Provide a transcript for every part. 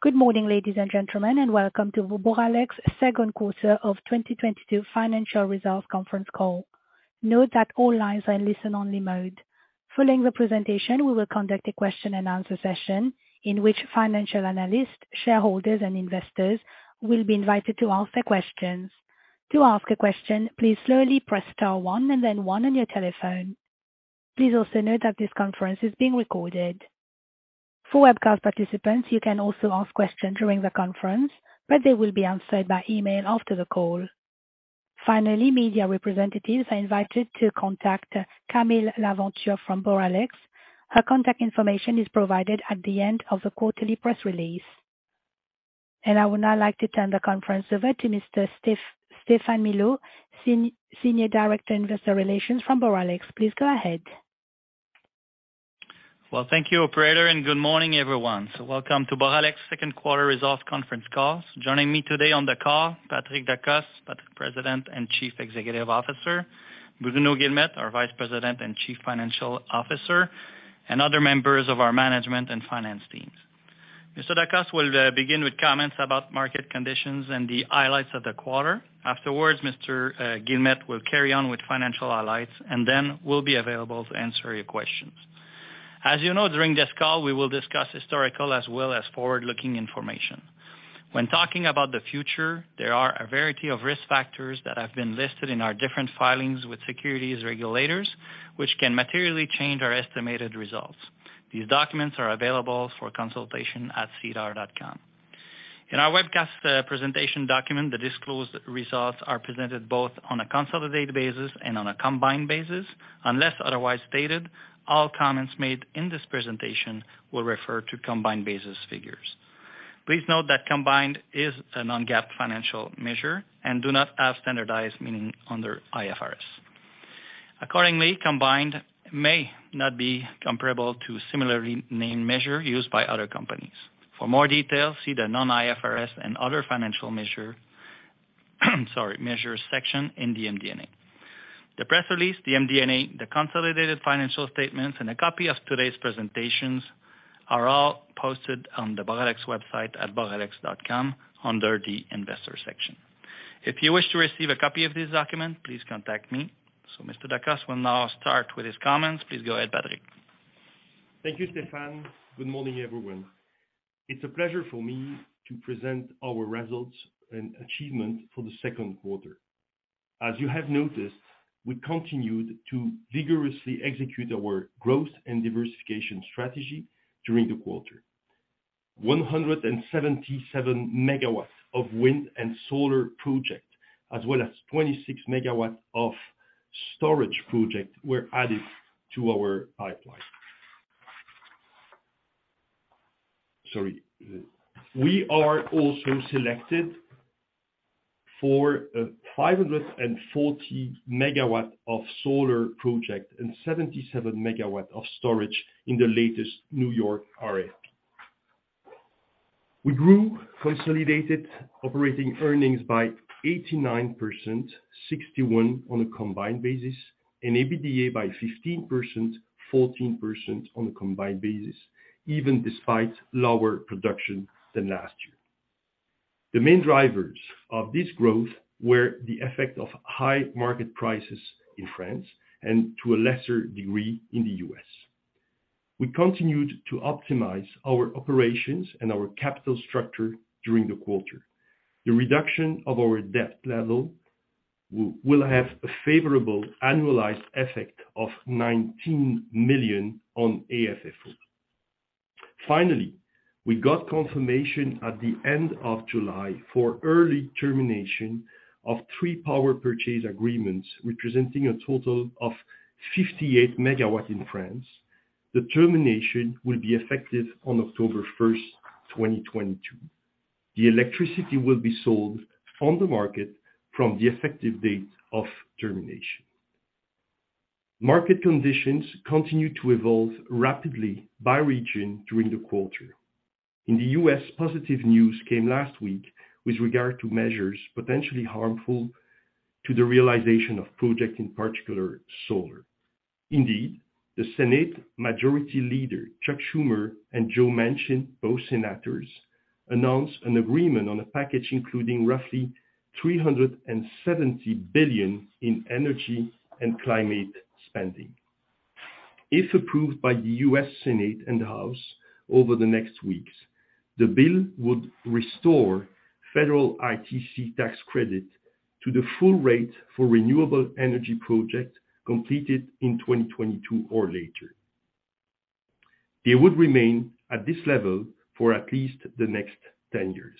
Good morning, ladies and gentlemen, and welcome to Boralex second quarter of 2022 financial results conference call. Note that all lines are in listen only mode. Following the presentation, we will conduct a question and answer session in which financial analysts, shareholders and investors will be invited to ask their questions. To ask a question, please slowly press star one and then one on your telephone. Please also note that this conference is being recorded. For webcast participants, you can also ask questions during the conference, but they will be answered by email after the call. Finally, media representatives are invited to contact Camille Laventure from Boralex. Her contact information is provided at the end of the quarterly press release. I would now like to turn the conference over to Mr. Stéphane Milot, Senior Director, Investor Relations from Boralex. Please go ahead. Well, thank you, operator, and good morning, everyone. Welcome to Boralex second quarter results conference call. Joining me today on the call, Patrick Decostre, President and Chief Executive Officer, Bruno Guilmette, our Vice President and Chief Financial Officer, and other members of our management and finance teams. Mr. Decostre will begin with comments about market conditions and the highlights of the quarter. Afterwards, Mr. Guilmette will carry on with financial highlights and then we'll be available to answer your questions. As you know, during this call, we will discuss historical as well as forward-looking information. When talking about the future, there are a variety of risk factors that have been listed in our different filings with securities regulators, which can materially change our estimated results. These documents are available for consultation at sedar.com. In our webcast presentation document, the disclosed results are presented both on a consolidated basis and on a combined basis. Unless otherwise stated, all comments made in this presentation will refer to combined basis figures. Please note that combined is a non-GAAP financial measure and do not have standardized meaning under IFRS. Accordingly, combined may not be comparable to similarly named measure used by other companies. For more details, see the non-IFRS and other financial measure section in the MD&A. The press release, the MD&A, the consolidated financial statements, and a copy of today's presentations are all posted on the Boralex website at boralex.com under the investor section. If you wish to receive a copy of this document, please contact me. Mr. Decostre will now start with his comments. Please go ahead, Patrick. Thank you, Stéphane. Good morning, everyone. It's a pleasure for me to present our results and achievement for the second quarter. As you have noticed, we continued to vigorously execute our growth and diversification strategy during the quarter. 177 MW of wind and solar project, as well as 26 MW of storage project, were added to our pipeline. Sorry. We are also selected for 540 MW of solar project and 77 MW of storage in the latest New York RESRFP. We grew consolidated operating earnings by 89%, 61 on a combined basis, and EBITDA by 15%, 14% on a combined basis, even despite lower production than last year. The main drivers of this growth were the effect of high market prices in France and to a lesser degree in the US. We continued to optimize our operations and our capital structure during the quarter. The reduction of our debt level will have a favorable annualized effect of 19 million on AFFO. Finally, we got confirmation at the end of July for early termination of three power purchase agreements, representing a total of 58 MW in France. The termination will be effective on October 1, 2022. The electricity will be sold on the market from the effective date of termination. Market conditions continued to evolve rapidly by region during the quarter. In the U.S., positive news came last week with regard to measures potentially harmful to the realization of projects, in particular solar. Indeed, the Senate Majority Leader Chuck Schumer and Joe Manchin, both senators, announced an agreement on a package including roughly $370 billion in energy and climate spending. If approved by the U.S. Senate and House over the next weeks, the bill would restore federal ITC tax credit to the full rate for renewable energy projects completed in 2022 or later. It would remain at this level for at least the next 10 years.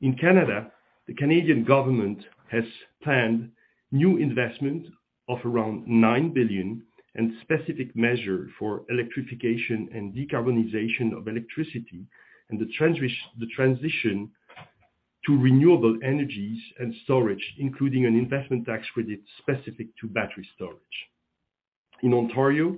In Canada, the Canadian government has planned new investment of around 9 billion and specific measure for electrification and decarbonization of electricity and the transition to renewable energies and storage, including an investment tax credit specific to battery storage. In Ontario,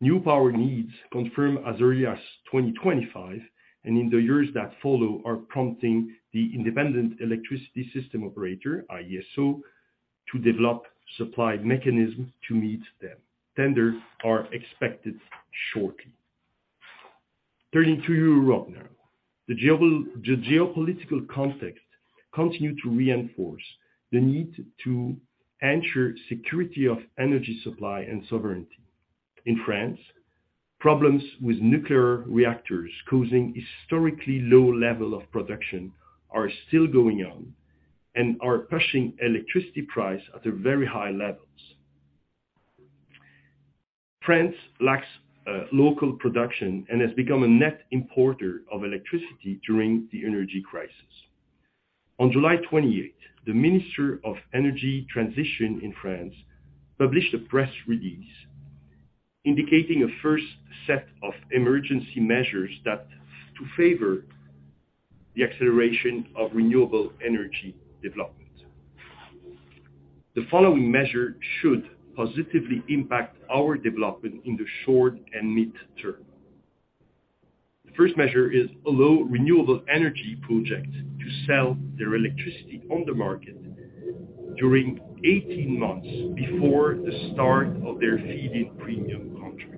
new power needs confirmed as early as 2025, and in the years that follow are prompting the Independent Electricity System Operator, IESO, to develop supply mechanisms to meet them. Tenders are expected shortly. Turning to Europe now. The geopolitical context continues to reinforce the need to ensure security of energy supply and sovereignty. In France, problems with nuclear reactors causing historically low level of production are still going on and are pushing electricity prices to very high levels. France lacks local production and has become a net importer of electricity during the energy crisis. On July 28, the Minister of Energy Transition in France published a press release indicating a first set of emergency measures that to favor the acceleration of renewable energy development. The following measure should positively impact our development in the short and mid-term. The first measure is to allow renewable energy projects to sell their electricity on the market during 18 months before the start of their feed-in premium contract.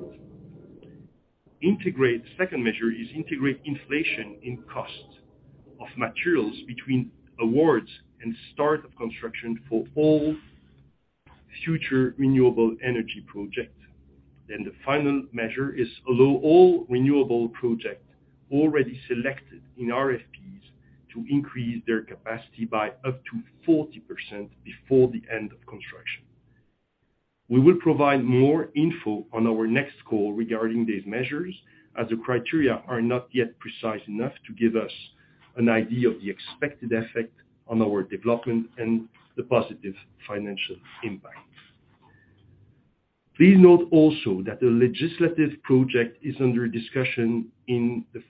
Second measure is to integrate inflation in cost of materials between awards and start of construction for all future renewable energy projects. The final measure is to allow all renewable projects already selected in RFPs to increase their capacity by up to 40% before the end of construction. We will provide more info on our next call regarding these measures, as the criteria are not yet precise enough to give us an idea of the expected effect on our development and the positive financial impact. Please note also that the legislative project is under discussion in the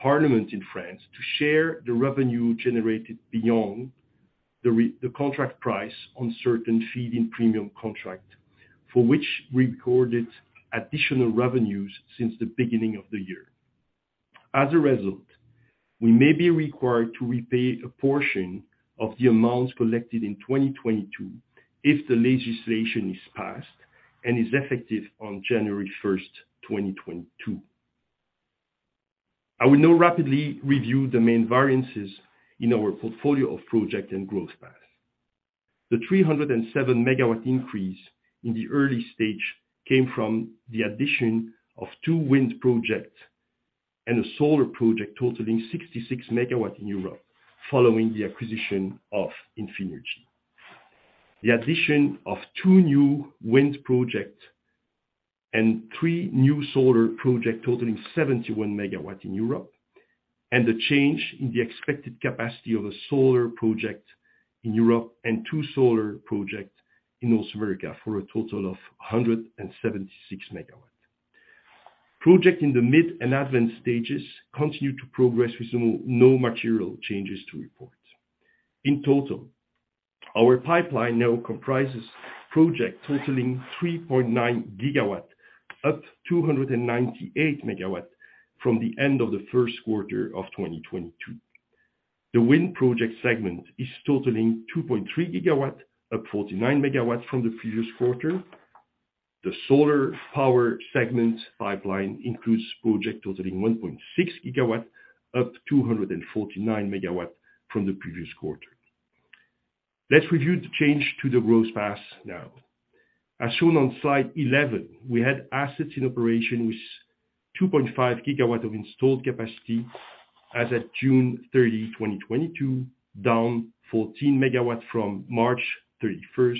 Parliament in France to share the revenue generated beyond the contract price on certain feed-in premium contracts, for which we recorded additional revenues since the beginning of the year. As a result, we may be required to repay a portion of the amounts collected in 2022 if the legislation is passed and is effective on January 1, 2022. I will now rapidly review the main variances in our portfolio of projects and growth path. The 307 MW increase in the early stage came from the addition of two wind projects and a solar project totaling 66 MW in Europe, following the acquisition of Infinergy. The addition of two new wind projects and three new solar projects totaling 71 MW in Europe, and the change in the expected capacity of a solar project in Europe and two solar projects in North America for a total of 176 MW. Projects in the mid and advanced stages continue to progress with no material changes to report. In total, our pipeline now comprises projects totaling 3.9 GW, up 298 MW from the end of the first quarter of 2022. The wind project segment is totaling 2.3 GW, up 49 MW from the previous quarter. The solar power segment pipeline includes projects totaling 1.6 GW, up 249 MW from the previous quarter. Let's review the change to the growth path now. As shown on slide 11, we had assets in operation with 2.5 GW of installed capacity as at June 30, 2022, down 14 MW from March 31,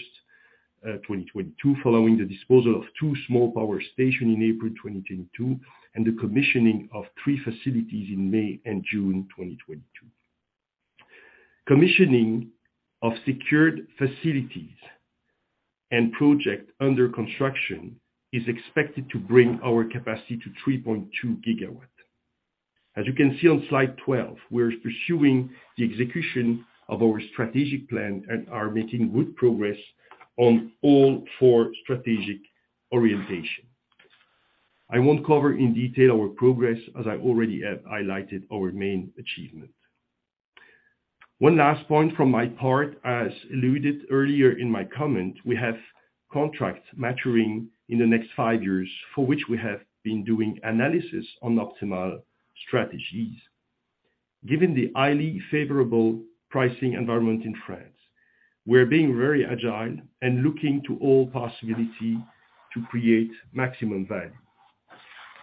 2022, following the disposal of two small power stations in April 2022 and the commissioning of three facilities in May and June 2022. Commissioning of secured facilities and projects under construction is expected to bring our capacity to 3.2 GW. As you can see on slide 12, we're pursuing the execution of our strategic plan and are making good progress on all four strategic orientations. I won't cover in detail our progress as I already have highlighted our main achievement. One last point from my part. As alluded earlier in my comment, we have contracts maturing in the next five years for which we have been doing analysis on optimal strategies. Given the highly favorable pricing environment in France, we're being very agile and looking to all possibility to create maximum value.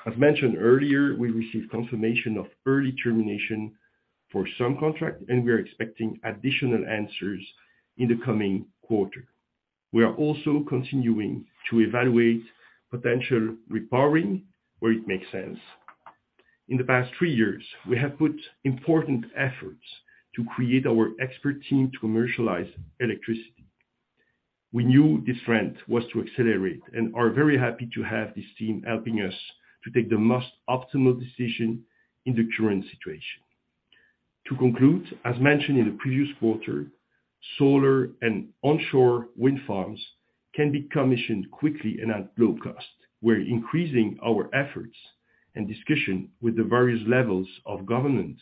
As mentioned earlier, we received confirmation of early termination for some contract, and we are expecting additional answers in the coming quarter. We are also continuing to evaluate potential repowering where it makes sense. In the past three years, we have put important efforts to create our expert team to commercialize electricity. We knew this trend was to accelerate and are very happy to have this team helping us to take the most optimal decision in the current situation. To conclude, as mentioned in the previous quarter, solar and onshore wind farms can be commissioned quickly and at low cost. We're increasing our efforts and discussions with the various levels of government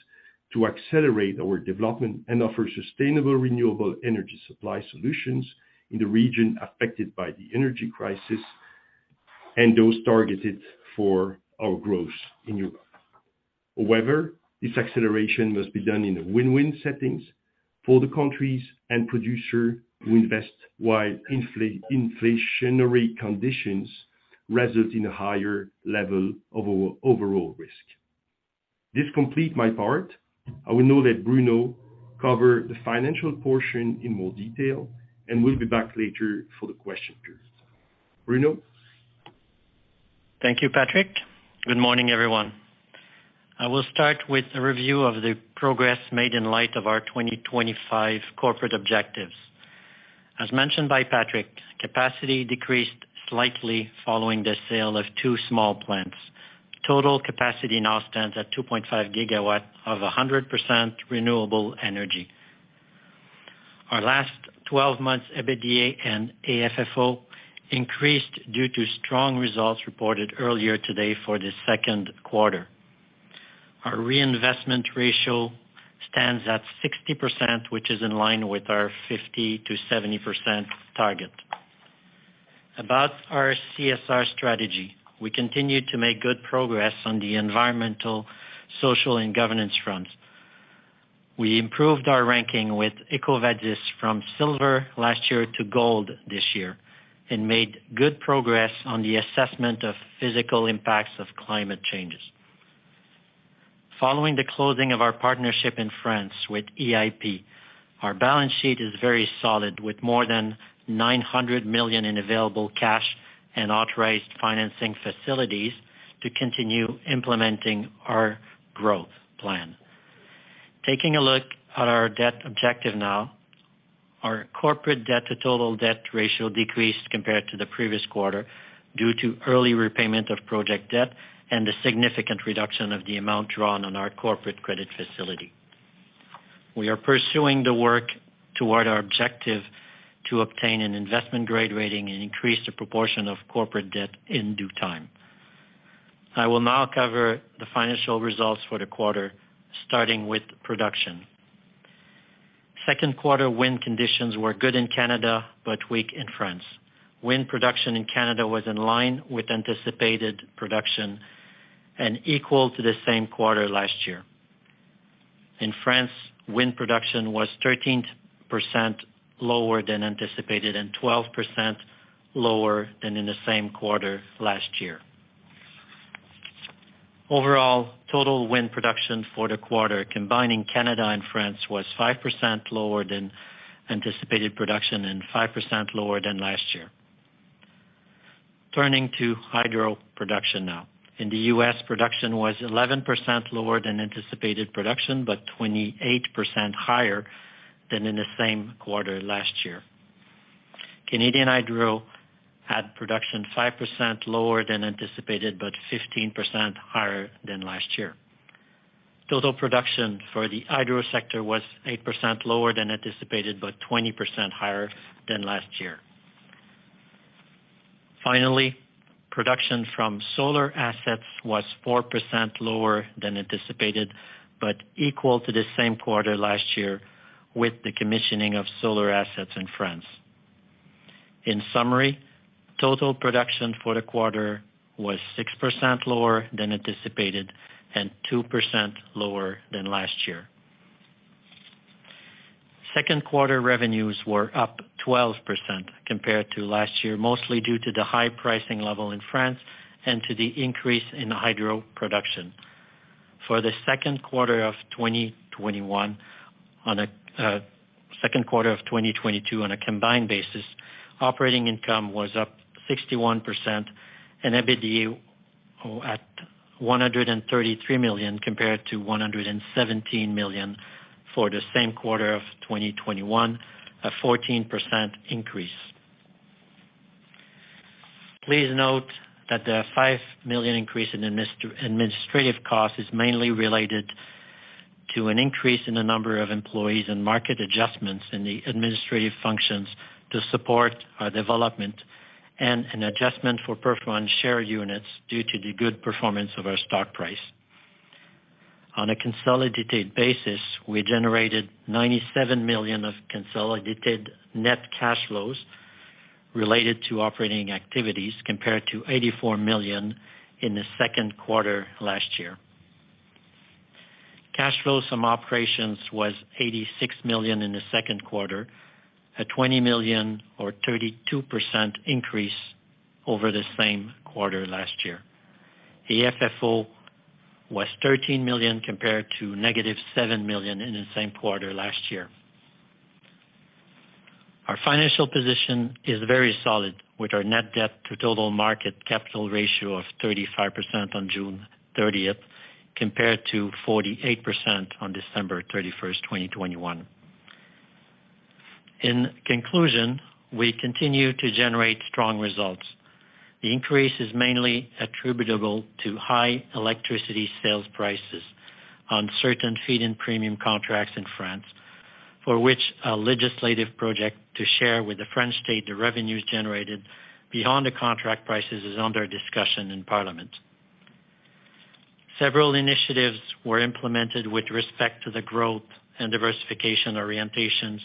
to accelerate our development and offer sustainable, renewable energy supply solutions in the region affected by the energy crisis and those targeted for our growth in Europe. However, this acceleration must be done in a win-win setting for the countries and producers who invest while inflationary conditions result in a higher level of overall risk. This completes my part. I will now let Bruno cover the financial portion in more detail, and we'll be back later for the question period. Bruno? Thank you, Patrick. Good morning, everyone. I will start with a review of the progress made in light of our 2025 corporate objectives. As mentioned by Patrick, capacity decreased slightly following the sale of two small plants. Total capacity now stands at 2.5 GW of 100% renewable energy. Our last twelve months EBITDA and AFFO increased due to strong results reported earlier today for the second quarter. Our reinvestment ratio stands at 60%, which is in line with our 50%-70% target. About our CSR strategy, we continue to make good progress on the environmental, social, and governance fronts. We improved our ranking with EcoVadis from silver last year to gold this year and made good progress on the assessment of physical impacts of climate change. Following the closing of our partnership in France with EIP, our balance sheet is very solid, with more than 900 million in available cash and authorized financing facilities to continue implementing our growth plan. Taking a look at our debt objective now. Our corporate debt to total debt ratio decreased compared to the previous quarter due to early repayment of project debt and a significant reduction of the amount drawn on our corporate credit facility. We are pursuing the work toward our objective to obtain an investment-grade rating and increase the proportion of corporate debt in due time. I will now cover the financial results for the quarter, starting with production. Second quarter wind conditions were good in Canada but weak in France. Wind production in Canada was in line with anticipated production and equal to the same quarter last year. In France, wind production was 13% lower than anticipated and 12% lower than in the same quarter last year. Overall, total wind production for the quarter, combining Canada and France, was 5% lower than anticipated production and 5% lower than last year. Turning to hydro production now. In the US, production was 11% lower than anticipated production, but 28% higher than in the same quarter last year. Canadian Hydro had production 5% lower than anticipated, but 15% higher than last year. Total production for the hydro sector was 8% lower than anticipated but 20% higher than last year. Finally, production from solar assets was 4% lower than anticipated, but equal to the same quarter last year with the commissioning of solar assets in France. In summary, total production for the quarter was 6% lower than anticipated and 2% lower than last year. Second quarter revenues were up 12% compared to last year, mostly due to the high pricing level in France and to the increase in hydro production. For the second quarter of 2022 on a combined basis, operating income was up 61% and EBITDA at 133 million compared to 117 million for the same quarter of 2021, a 14% increase. Please note that the 5 million increase in administrative costs is mainly related to an increase in the number of employees and market adjustments in the administrative functions to support our development and an adjustment for performance share units due to the good performance of our stock price. On a consolidated basis, we generated 97 million of consolidated net cash flows related to operating activities, compared to 84 million in the second quarter last year. Cash flows from operations was 86 million in the second quarter, a 20 million or 32% increase over the same quarter last year. The AFFO was 13 million compared to -7 million in the same quarter last year. Our financial position is very solid, with our net debt to total market capital ratio of 35% on June 30 compared to 48% on December 31, 2021. In conclusion, we continue to generate strong results. The increase is mainly attributable to high electricity sales prices on certain feed-in premium contracts in France, for which a legislative project to share with the French state the revenues generated beyond the contract prices is under discussion in Parliament. Several initiatives were implemented with respect to the growth and diversification orientations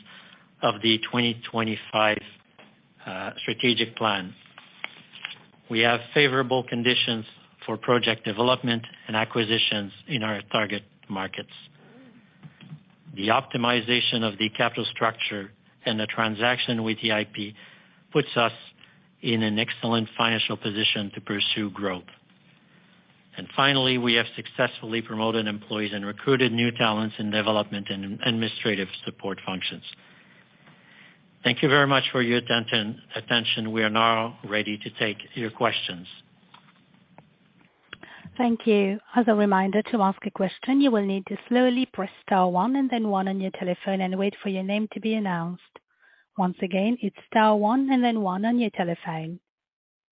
of the 2025 strategic plan. We have favorable conditions for project development and acquisitions in our target markets. The optimization of the capital structure and the transaction with the EIP puts us in an excellent financial position to pursue growth. Finally, we have successfully promoted employees and recruited new talents in development and administrative support functions. Thank you very much for your attention. We are now ready to take your questions. Thank you. As a reminder, to ask a question, you will need to slowly press star one and then one on your telephone and wait for your name to be announced. Once again, it's star one and then one on your telephone.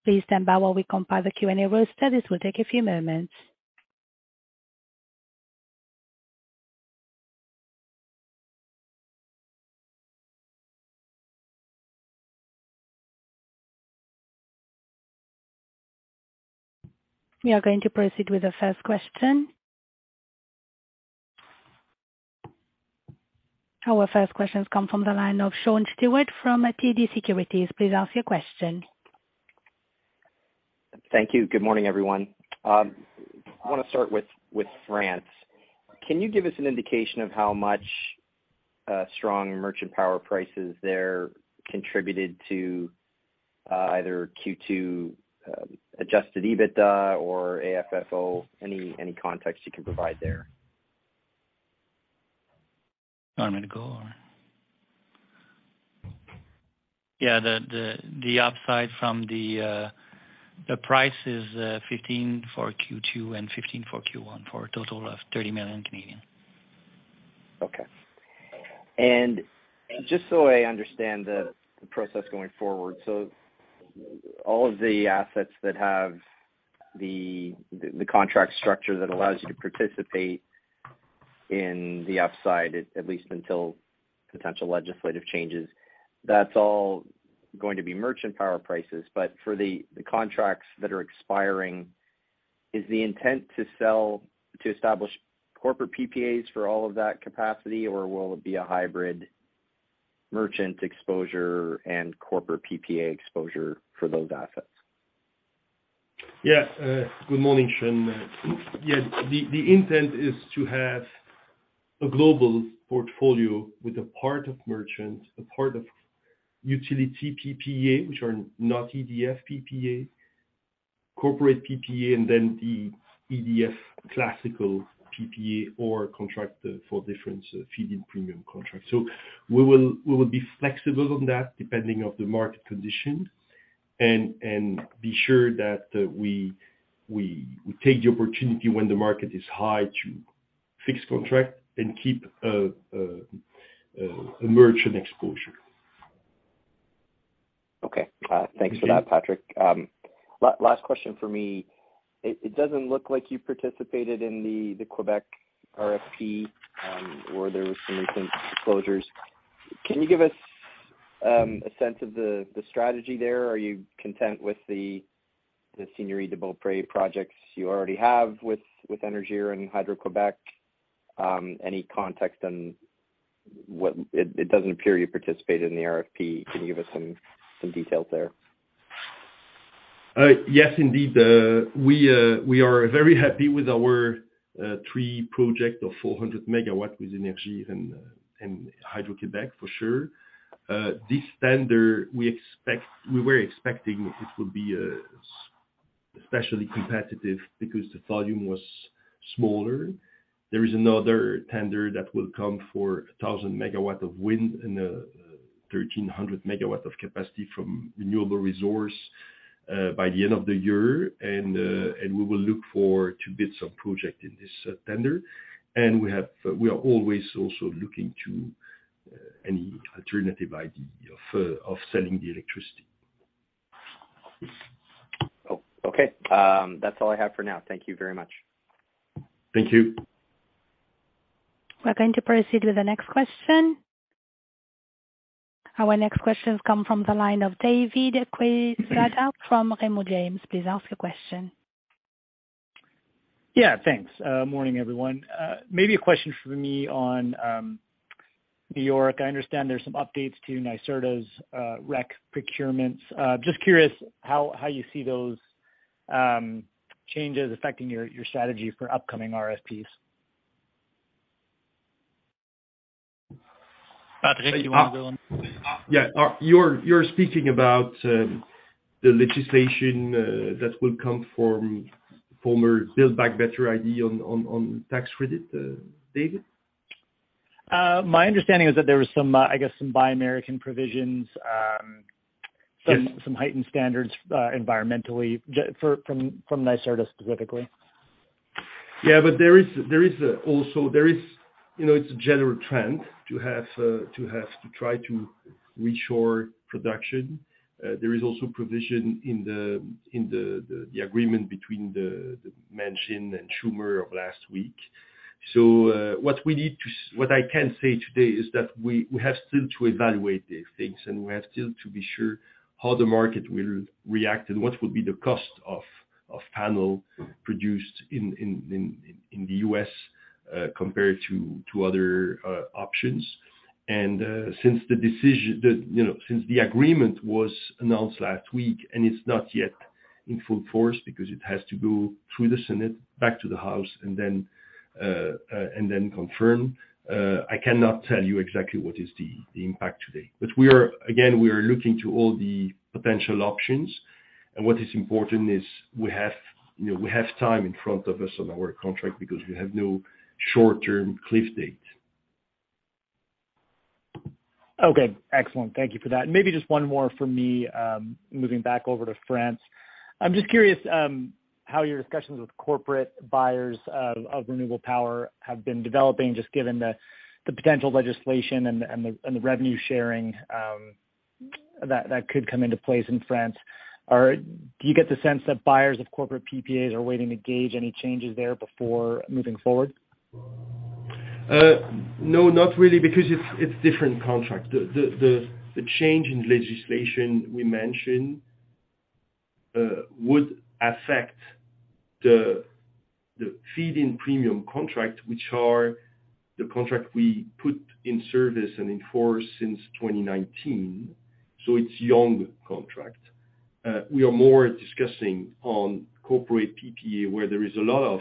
Please stand by while we compile the Q&A roster. This will take a few moments. We are going to proceed with the first question. Our first question comes from the line of Sean Steuart from TD Securities. Please ask your question. Thank you. Good morning, everyone. I want to start with France. Can you give us an indication of how much strong merchant power prices there contributed to either Q2 adjusted EBITDA or AFFO? Any context you can provide there? You want me to go or? Yeah, the upside from the price is 15 million for Q2 and 15 million for Q1, for a total of 30 million. Okay. Just so I understand the process going forward, all of the assets that have the contract structure that allows you to participate in the upside, at least until potential legislative changes, that's all going to be merchant power prices. For the contracts that are expiring, is the intent to sell to establish corporate PPAs for all of that capacity, or will it be a hybrid merchant exposure and corporate PPA exposure for those assets? Yeah. Good morning, Sean. Yes, the intent is to have a global portfolio with a part of merchant, a part of utility PPA, which are not EDF PPA, corporate PPA, and then the EDF classical PPA or contract for different feed-in premium contracts. We will be flexible on that depending on the market condition and be sure that we take the opportunity when the market is high to fix contract and keep a merchant exposure. Okay. Thanks for that, Patrick. Last question for me. It doesn't look like you participated in the Québec RFP, where there was some recent closures. Can you give us a sense of the strategy there? Are you content with the Seigneurie de Beaupré projects you already have with Énergir and Hydro-Québec? Any context on what. It doesn't appear you participated in the RFP. Can you give us some details there? Yes, indeed. We are very happy with our three projects of 400 MW with Énergir and Hydro-Québec, for sure. We were expecting it would be especially competitive because the volume was smaller. There is another tender that will come for 1,000 MW of wind and 1,300 MW of capacity from renewable resources by the end of the year. We will look for two bids of projects in this tender. We are always also looking to any alternative idea of selling the electricity. Oh, okay. That's all I have for now. Thank you very much. Thank you. We're going to proceed with the next question. Our next question comes from the line of David Quezada from Raymond James. Please ask your question. Yeah, thanks. Morning, everyone. Maybe a question for me on New York. I understand there's some updates to NYSERDA's REC procurements. Just curious how you see those changes affecting your strategy for upcoming RFPs. Patrick, you want to go on? You're speaking about the legislation that will come from former Build Back Better idea on tax credit, David? My understanding is that there was, I guess, some Buy American provisions. Yes. Some heightened standards, environmentally, from NYSERDA specifically. There is also, you know, a general trend to have to try to reshore production. There is also a provision in the agreement between Manchin and Schumer of last week. What I can say today is that we have still to evaluate these things, and we have still to be sure how the market will react and what will be the cost of panel produced in the US compared to other options. Since the agreement was announced last week, it's not yet in full force because it has to go through the Senate, back to the House and then confirm. I cannot tell you exactly what is the impact today. We are again looking to all the potential options, and what is important is we have, you know, we have time in front of us on our contract because we have no short-term cliff date. Okay, excellent. Thank you for that. Maybe just one more from me, moving back over to France. I'm just curious how your discussions with corporate buyers of renewable power have been developing, just given the potential legislation and the revenue sharing that could come into place in France. Or do you get the sense that buyers of corporate PPAs are waiting to gauge any changes there before moving forward? No, not really, because it's different contract. The change in legislation we mentioned would affect the feed-in premium contract, which are the contract we put in service and in force since 2019, so it's young contract. We are more discussing on corporate PPA, where there is a lot of,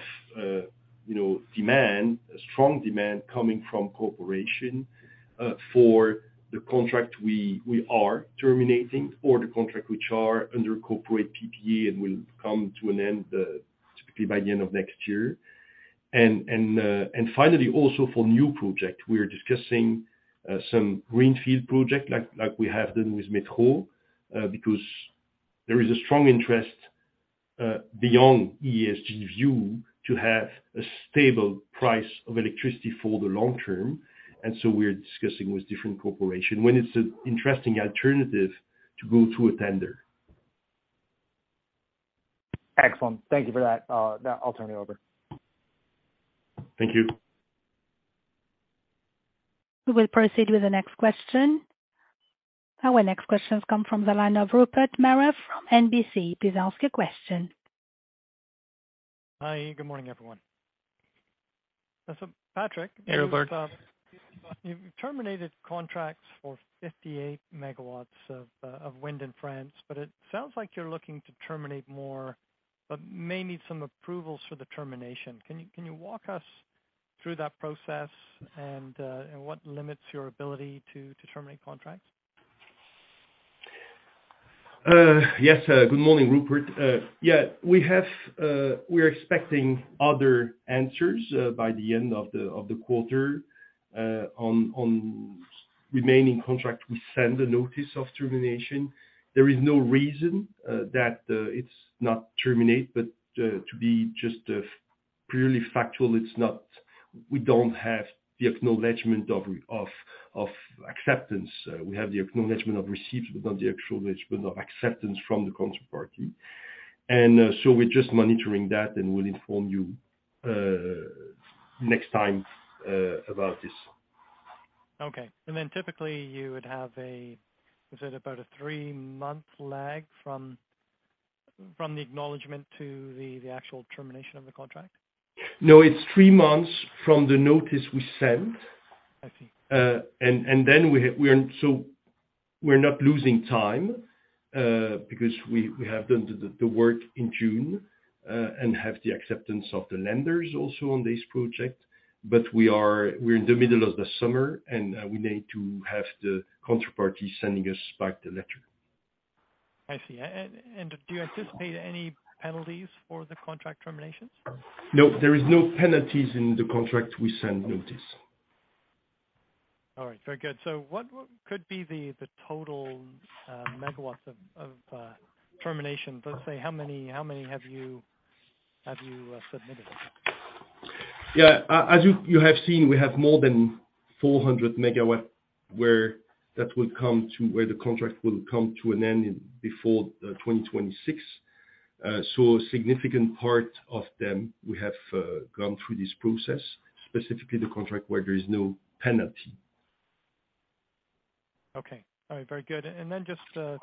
you know, demand, strong demand coming from corporation, for the contract we are terminating or the contract which are under corporate PPA and will come to an end, typically by the end of next year. Finally, also for new project, we are discussing some greenfield project like we have done with METRO, because there is a strong interest, beyond ESG view to have a stable price of electricity for the long term. We're discussing with different corporations when it's an interesting alternative to go to a tender. Excellent. Thank you for that. Now I'll turn it over. Thank you. We will proceed with the next question. Our next question comes from the line of Rupert Merer from NBC. Please ask your question. Hi. Good morning, everyone. Patrick- Hey, Rupert. You've terminated contracts for 58 MW of of wind in France, but it sounds like you're looking to terminate more, but may need some approvals for the termination. Can you walk us through that process and and what limits your ability to terminate contracts? Yes. Good morning, Rupert. Yeah, we're expecting other answers by the end of the quarter on remaining contract. We send a notice of termination. There is no reason that it's not terminate, but to be just purely factual, it's not. We don't have the acknowledgement of acceptance. We have the acknowledgement of receipts, but not the acknowledgement of acceptance from the counterparty. We're just monitoring that, and we'll inform you next time about this. Okay. Typically, is it about a three-month lag from the acknowledgment to the actual termination of the contract? No, it's three months from the notice we send. I see. We're not losing time, because we have done the work in June and have the acceptance of the lenders also on this project. We're in the middle of the summer, and we need to have the counterparty sending us back the letter. I see. Do you anticipate any penalties for the contract terminations? No, there is no penalties in the contract. We send notice. All right, very good. What could be the total MW of generation? Let's say, how many have you submitted? As you have seen, we have more than 400 MW where the contracts will come to an end before 2026. A significant part of them, we have gone through this process, specifically the contracts where there is no penalty. Okay. All right, very good. Just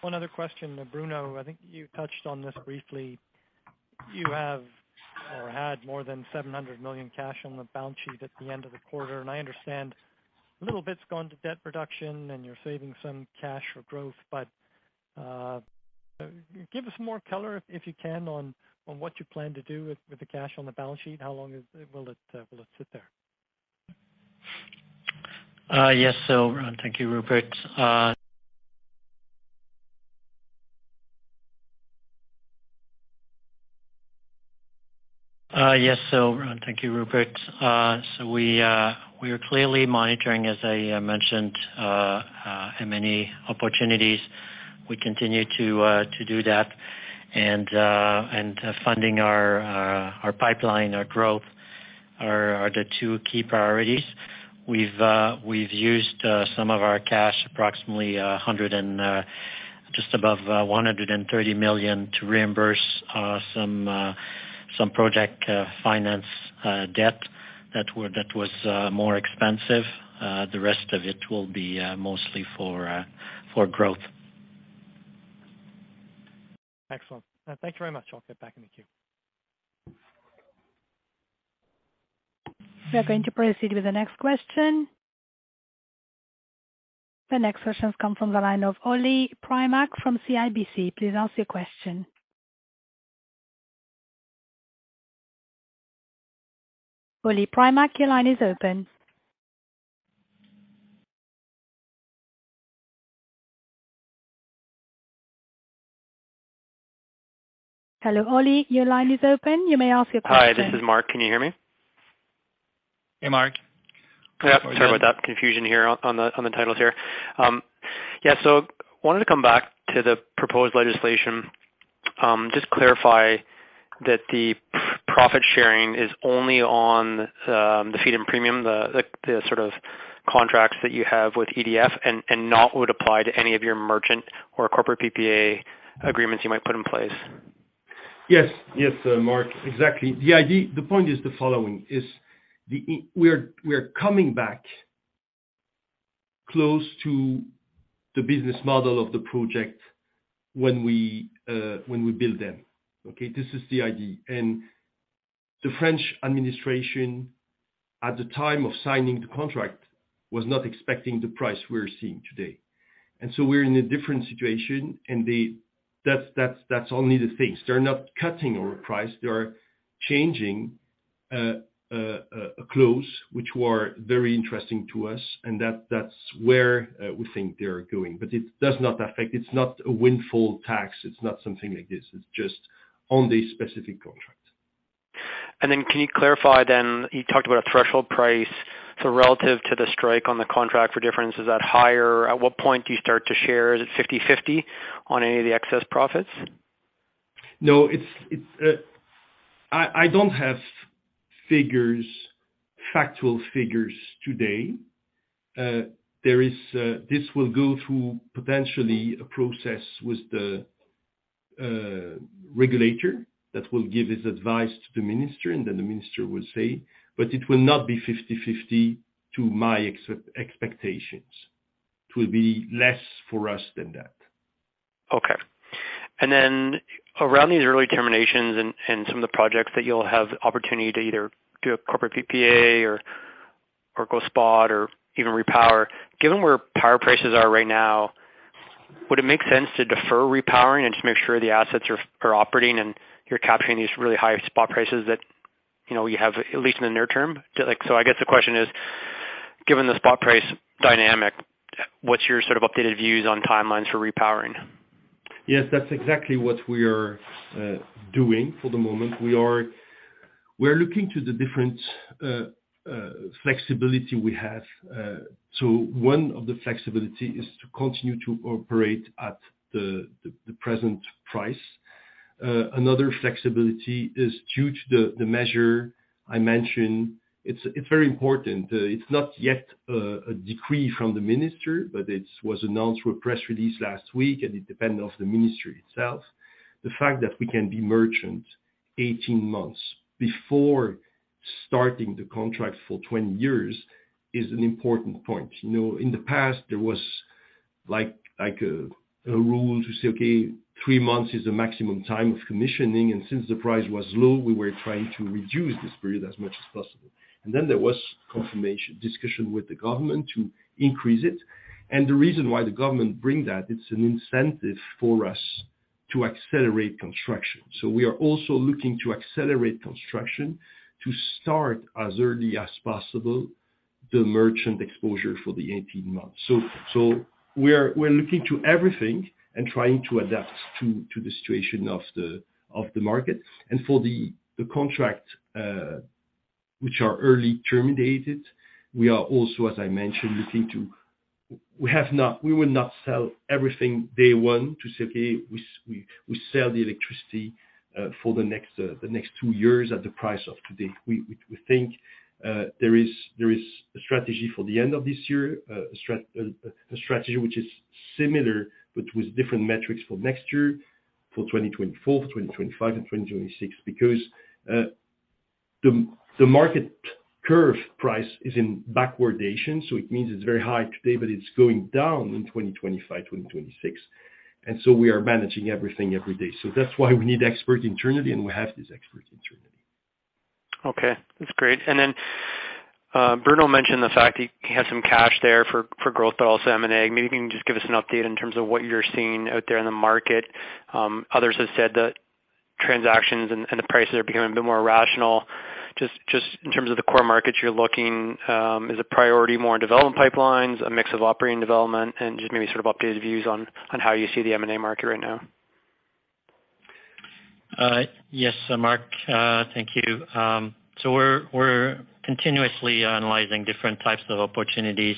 one other question. Bruno, I think you touched on this briefly. You have or had more than 700 million cash on the balance sheet at the end of the quarter. I understand a little bit's gone to debt reduction and you're saving some cash for growth. Give us more color if you can on what you plan to do with the cash on the balance sheet. How long will it sit there? Yes. Thank you, Rupert. We are clearly monitoring, as I mentioned, M&A opportunities. We continue to do that and funding our pipeline, our growth are the two key priorities. We've used some of our cash, approximately just above 130 million to reimburse some project finance debt that was more expensive. The rest of it will be mostly for growth. Excellent. Thank you very much. I'll get back in the queue. We are going to proceed with the next question. The next question comes from the line of Mark Jarvi from CIBC. Please ask your question. Mark Jarvi, your line is open. Hello, Jarvi, your line is open. You may ask your question. Hi, this is Mark. Can you hear me? Hey, Mark. Yeah. Sorry about that confusion here on the titles here. Wanted to come back to the proposed legislation, just clarify that the profit sharing is only on the feed-in premium, the sort of contracts that you have with EDF and not would apply to any of your merchant or corporate PPA agreements you might put in place. Yes. Yes, Mark. Exactly. The point is the following. We are coming back close to the business model of the project when we build them. Okay? This is the idea. The French administration at the time of signing the contract was not expecting the price we're seeing today. We're in a different situation. That's only the things. They're not cutting our price. They are changing a clause which were very interesting to us, and that's where we think they're going. It does not affect. It's not a windfall tax. It's not something like this. It's just on the specific contract. Can you clarify then, you talked about a threshold price. Relative to the strike on the contract for difference, is that higher? At what point do you start to share? Is it 50/50 on any of the excess profits? No, it's I don't have figures, factual figures today. There is this will go through potentially a process with the regulator that will give his advice to the minister, and then the minister will say, but it will not be 50/50 to my expectations. It will be less for us than that. Okay. Then around these early terminations and some of the projects that you'll have opportunity to either do a corporate PPA or go spot or even repower, given where power prices are right now, would it make sense to defer repowering and just make sure the assets are operating and you're capturing these really high spot prices that, you know, you have at least in the near term? Like, so I guess the question is, given the spot price dynamic, what's your sort of updated views on timelines for repowering? Yes, that's exactly what we are doing for the moment. We are looking to the different flexibility we have. One of the flexibility is to continue to operate at the present price. Another flexibility is due to the measure I mentioned. It's very important. It's not yet a decree from the minister, but it was announced through a press release last week, and it depends on the ministry itself. The fact that we can be merchant 18 months before starting the contract for 20 years is an important point. You know, in the past, there was like a rule to say, okay, 3 months is the maximum time of commissioning, and since the price was low, we were trying to reduce this period as much as possible. There was confirmation, discussion with the government to increase it. The reason why the government bring that, it's an incentive for us to accelerate construction. We are also looking to accelerate construction to start as early as possible the merchant exposure for the 18 months. We're looking to everything and trying to adapt to the situation of the market. For the contract which are early terminated, we are also, as I mentioned, looking to. We will not sell everything day one to say, okay, we sell the electricity for the next two years at the price of today. We think there is a strategy for the end of this year, a strategy which is similar, but with different metrics for next year, for 2024, 2025, and 2026, because the market curve price is in backwardation, so it means it's very high today, but it's going down in 2025, 2026. We are managing everything every day. That's why we need experts internally, and we have these experts internally. Okay. That's great. Bruno mentioned the fact that he has some cash there for growth, also M&A. Maybe you can just give us an update in terms of what you're seeing out there in the market. Others have said that transactions and the prices are becoming a bit more rational. Just in terms of the core markets you're looking, is the priority more on development pipelines, a mix of operating development, and just maybe sort of updated views on how you see the M&A market right now? Yes, Mark, thank you. We're continuously analyzing different types of opportunities.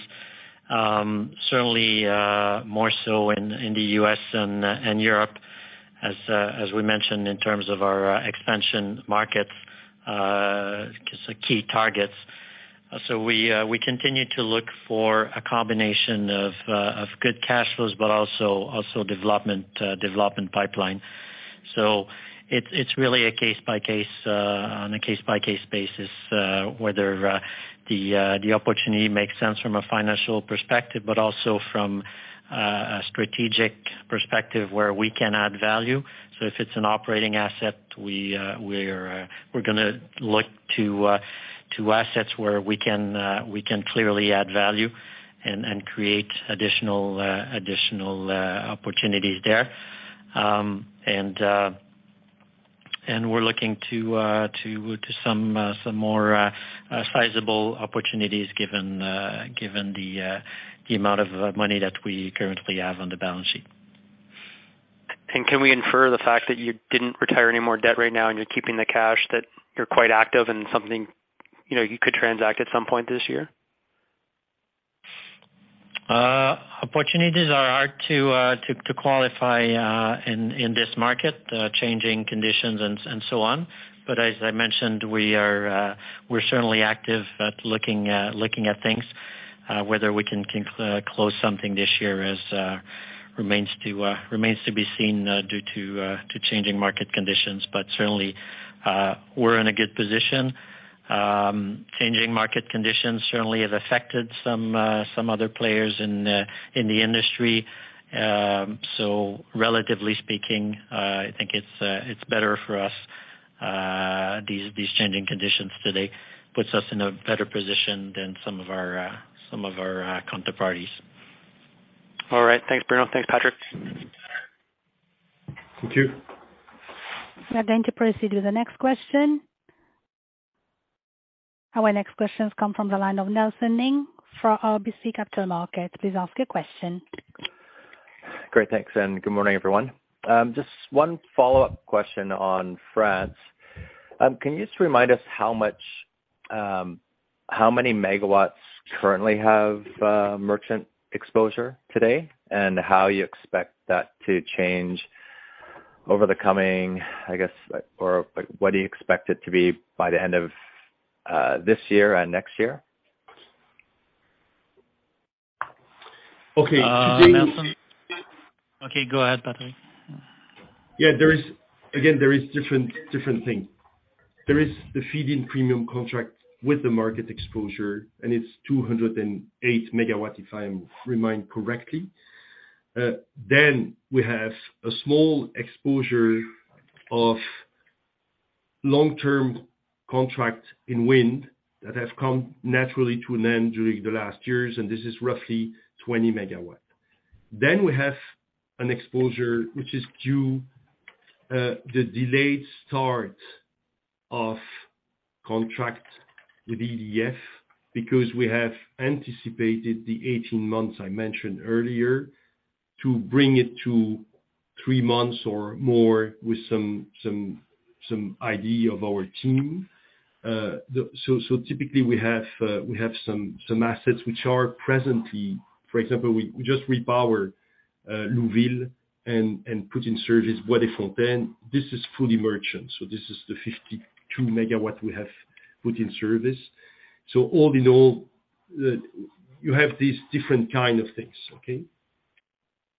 Certainly, more so in the US and Europe as we mentioned in terms of our expansion markets, 'cause the key targets. We continue to look for a combination of good cash flows but also development pipeline. It's really a case by case, on a case by case basis, whether the opportunity makes sense from a financial perspective, but also from a strategic perspective where we can add value. If it's an operating asset, we're gonna look to assets where we can clearly add value and create additional opportunities there. We're looking to some more sizeable opportunities given the amount of money that we currently have on the balance sheet. Can we infer the fact that you didn't retire any more debt right now and you're keeping the cash that you're quite active and something, you know, you could transact at some point this year? Opportunities are hard to qualify in this market, changing conditions and so on. As I mentioned, we're certainly active and looking at things, whether we can close something this year. It remains to be seen due to changing market conditions. Certainly, we're in a good position. Changing market conditions certainly have affected some other players in the industry. Relatively speaking, I think it's better for us. These changing conditions today puts us in a better position than some of our counterparties. All right. Thanks, Bruno. Thanks, Patrick. Thank you. We are going to proceed to the next question. Our next question comes from the line of Nelson Ng from RBC Capital Markets. Please ask your question. Great. Thanks, and good morning, everyone. Just one follow-up question on France. Can you just remind us how much, how many MW currently have merchant exposure today and how you expect that to change over the coming, I guess, or what do you expect it to be by the end of this year and next year? Okay. Today. Nelson. Okay, go ahead, Patrick. Yeah, there is different thing. There is the feed-in premium contract with the market exposure, and it's 208 MW, if I remember correctly. Then we have a small exposure of long-term contract in wind that has come naturally to an end during the last years, and this is roughly 20 MW. Then we have an exposure which is due to the delayed start of contract with EDF, because we have anticipated the 18 months I mentioned earlier to bring it to 3 months or more with some idea of our team. Typically we have some assets which are presently. For example, we just repowered Louville-la-Chenard and put in service Bois des Fontaines. This is fully merchant, so this is the 52 MW we have put in service. All in all, you have these different kind of things. Okay?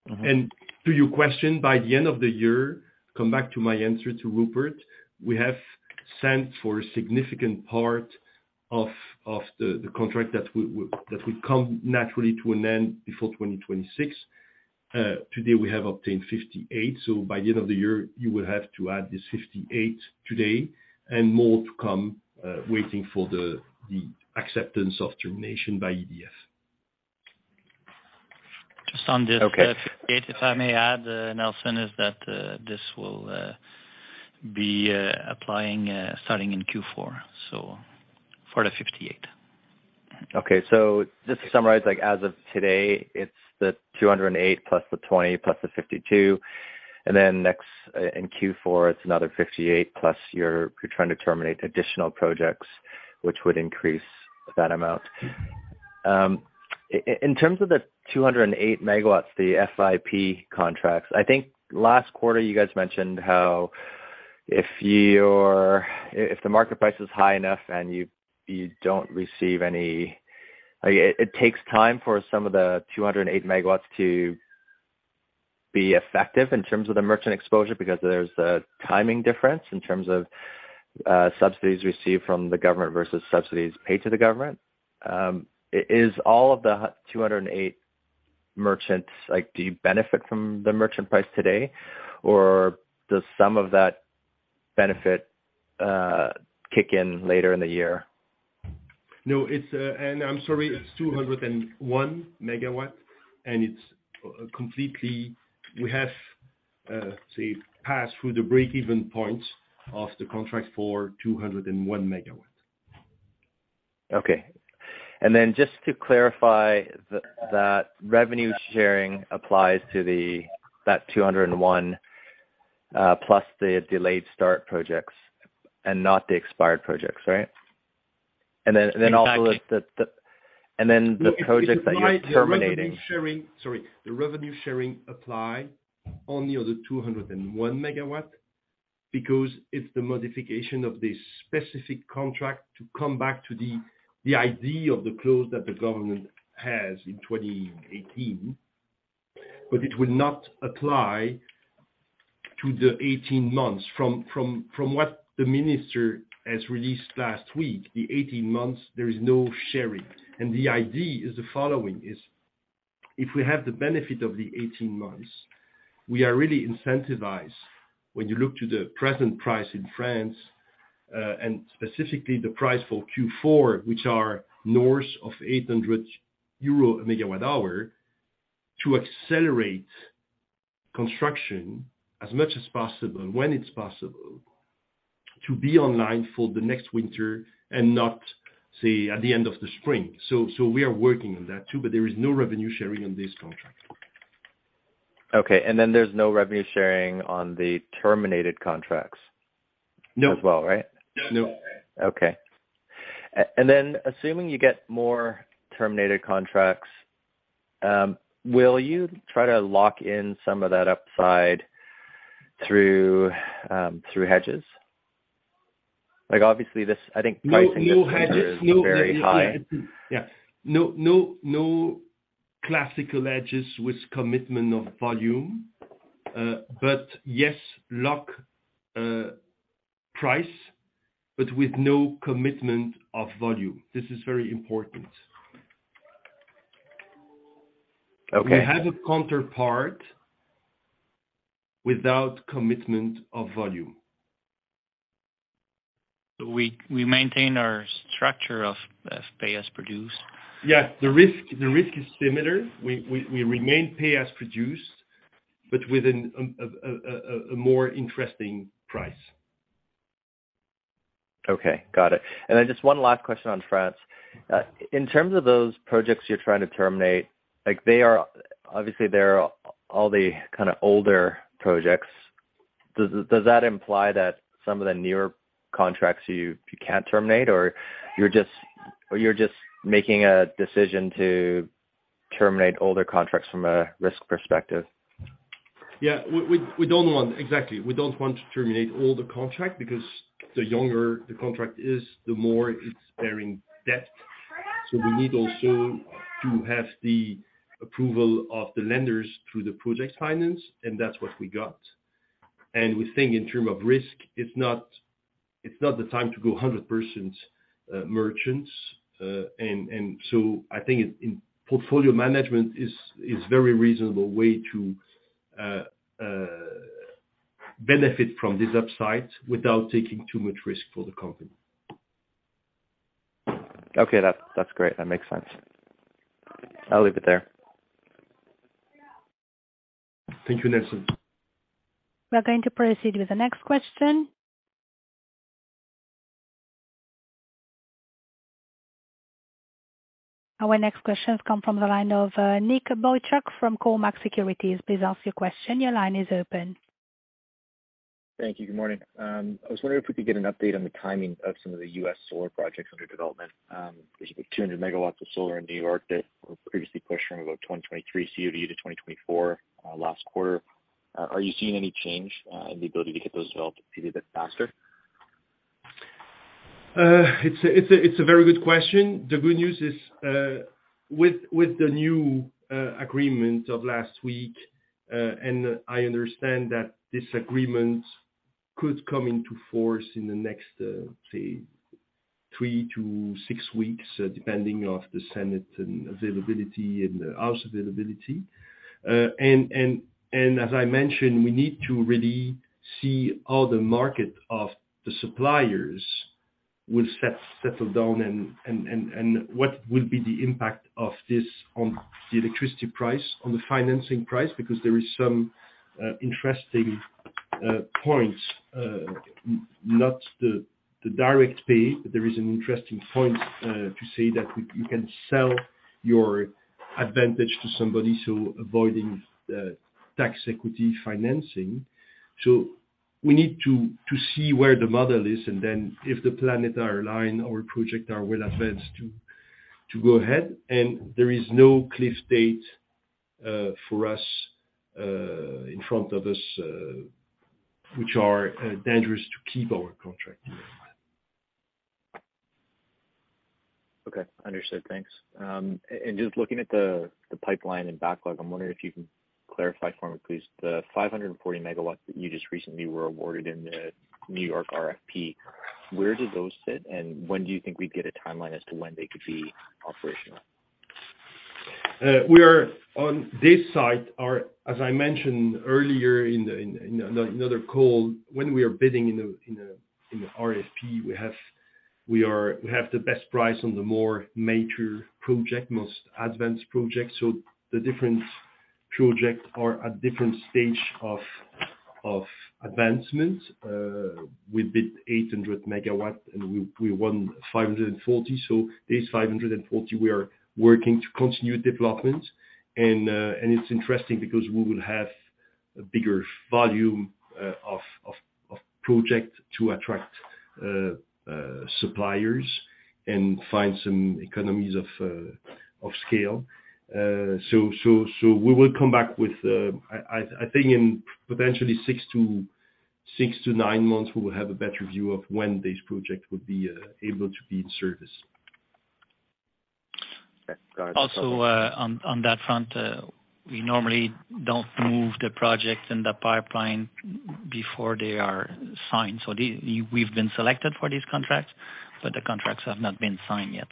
Mm-hmm. To your question, by the end of the year, come back to my answer to Rupert, we have signed for a significant part of the contract that would come naturally to an end before 2026. Today we have obtained 58, so by the end of the year you will have to add this 58 today and more to come, waiting for the acceptance of termination by EDF. Just on this. Okay. If I may add, Nelson, that is, this will be applying starting in Q4, so for the 58. Okay. Just to summarize, like, as of today, it's the 208 plus the 20 plus the 52, and then next, in Q4, it's another 58 plus you're trying to terminate additional projects which would increase that amount. In terms of the 208 MW, the FIP contracts, I think last quarter you guys mentioned how if you're. If the market price is high enough and you don't receive any. Like, it takes time for some of the 208 MW to be effective in terms of the merchant exposure because there's a timing difference in terms of subsidies received from the government versus subsidies paid to the government. Is all of the 208 merchants, like, do you benefit from the merchant price today, or does some of that benefit kick in later in the year? No, it's. I'm sorry, it's 201 MW, and it's completely. We have passed through the break-even point of the contract for 201 MW. Okay. To clarify, that revenue sharing applies to that 201, plus the delayed start projects and not the expired projects, right? Also, the projects that you're terminating. Sorry, the revenue sharing applies only on the 201 MW because it's the modification of the specific contract to come back to the idea of the clause that the government has in 2018. It will not apply to the 18 months. From what the minister has released last week, the 18 months there is no sharing. The idea is the following is, if we have the benefit of the 18 months, we are really incentivized when you look to the present price in France, and specifically the price for Q4, which are north of 800 euro a MW hour, to accelerate construction as much as possible when it's possible to be online for the next winter and not, say, at the end of the spring. We are working on that too, but there is no revenue sharing on this contract. Okay. There's no revenue sharing on the terminated contracts. No as well, right? No. Assuming you get more terminated contracts, will you try to lock in some of that upside through hedges? Like, obviously this, I think pricing this winter is very high. Yeah. No, no classical hedges with commitment of volume. Yes, lock price, but with no commitment of volume. This is very important. Okay. We have a counterparty without commitment of volume. We maintain our structure of pay-as-produced. Yes. The risk is similar. We remain pay-as-produced, but with a more interesting price. Okay. Got it. Then just one last question on France. In terms of those projects you're trying to terminate, like they are obviously they're all the kind of older projects. Does that imply that some of the newer contracts you can't terminate or you're just making a decision to terminate older contracts from a risk perspective? Yeah. We don't want to terminate all the contract because the younger the contract is, the more it's bearing debt. Exactly. We need also to have the approval of the lenders through the project finance, and that's what we got. We think in terms of risk, it's not the time to go 100% merchant. I think in portfolio management is very reasonable way to benefit from this upside without taking too much risk for the company. Okay. That's great. That makes sense. I'll leave it there. Thank you, Nelson. We are going to proceed with the next question. Our next question come from the line of Nicholas Boychuk from Cormark Securities. Please ask your question. Your line is open. Thank you. Good morning. I was wondering if we could get an update on the timing of some of the U.S. solar projects under development, specifically 200 MW of solar in New York that were previously pushed from about 2023 COD to 2024, last quarter? Are you seeing any change in the ability to get those developed a bit faster? It's a very good question. The good news is, with the new agreement of last week, and I understand that this agreement could come into force in the next, say, 3-6 weeks, depending on the Senate and House availability. As I mentioned, we need to really see how the market for the suppliers will settle down and what will be the impact of this on the electricity price, on the financing price, because there is some interesting points, not the direct pay, but there is an interesting point to say that you can sell your advantage to somebody, so avoiding tax equity financing. We need to see where the model is, and then if the planets are aligned, our projects are well advanced to go ahead, and there is no clear date for us in front of us which are dangerous to keep our contract. Okay. Understood. Thanks. Just looking at the pipeline and backlog, I'm wondering if you can clarify for me, please, the 540 MW that you just recently were awarded in the New York RFP, where do those sit, and when do you think we'd get a timeline as to when they could be operational? As I mentioned earlier in another call, when we are bidding in a RFP, we have the best price on the more major projects, most advanced projects. The different projects are at different stages of advancement. We bid 800 MW and we won 540. This 540, we are working to continue development. It is interesting because we will have a bigger volume of projects to attract suppliers and find some economies of scale. We will come back, I think, in potentially six to nine months. We will have a better view of when this project would be able to be in service. Also, on that front, we normally don't move the projects in the pipeline before they are signed. We've been selected for these contracts, but the contracts have not been signed yet.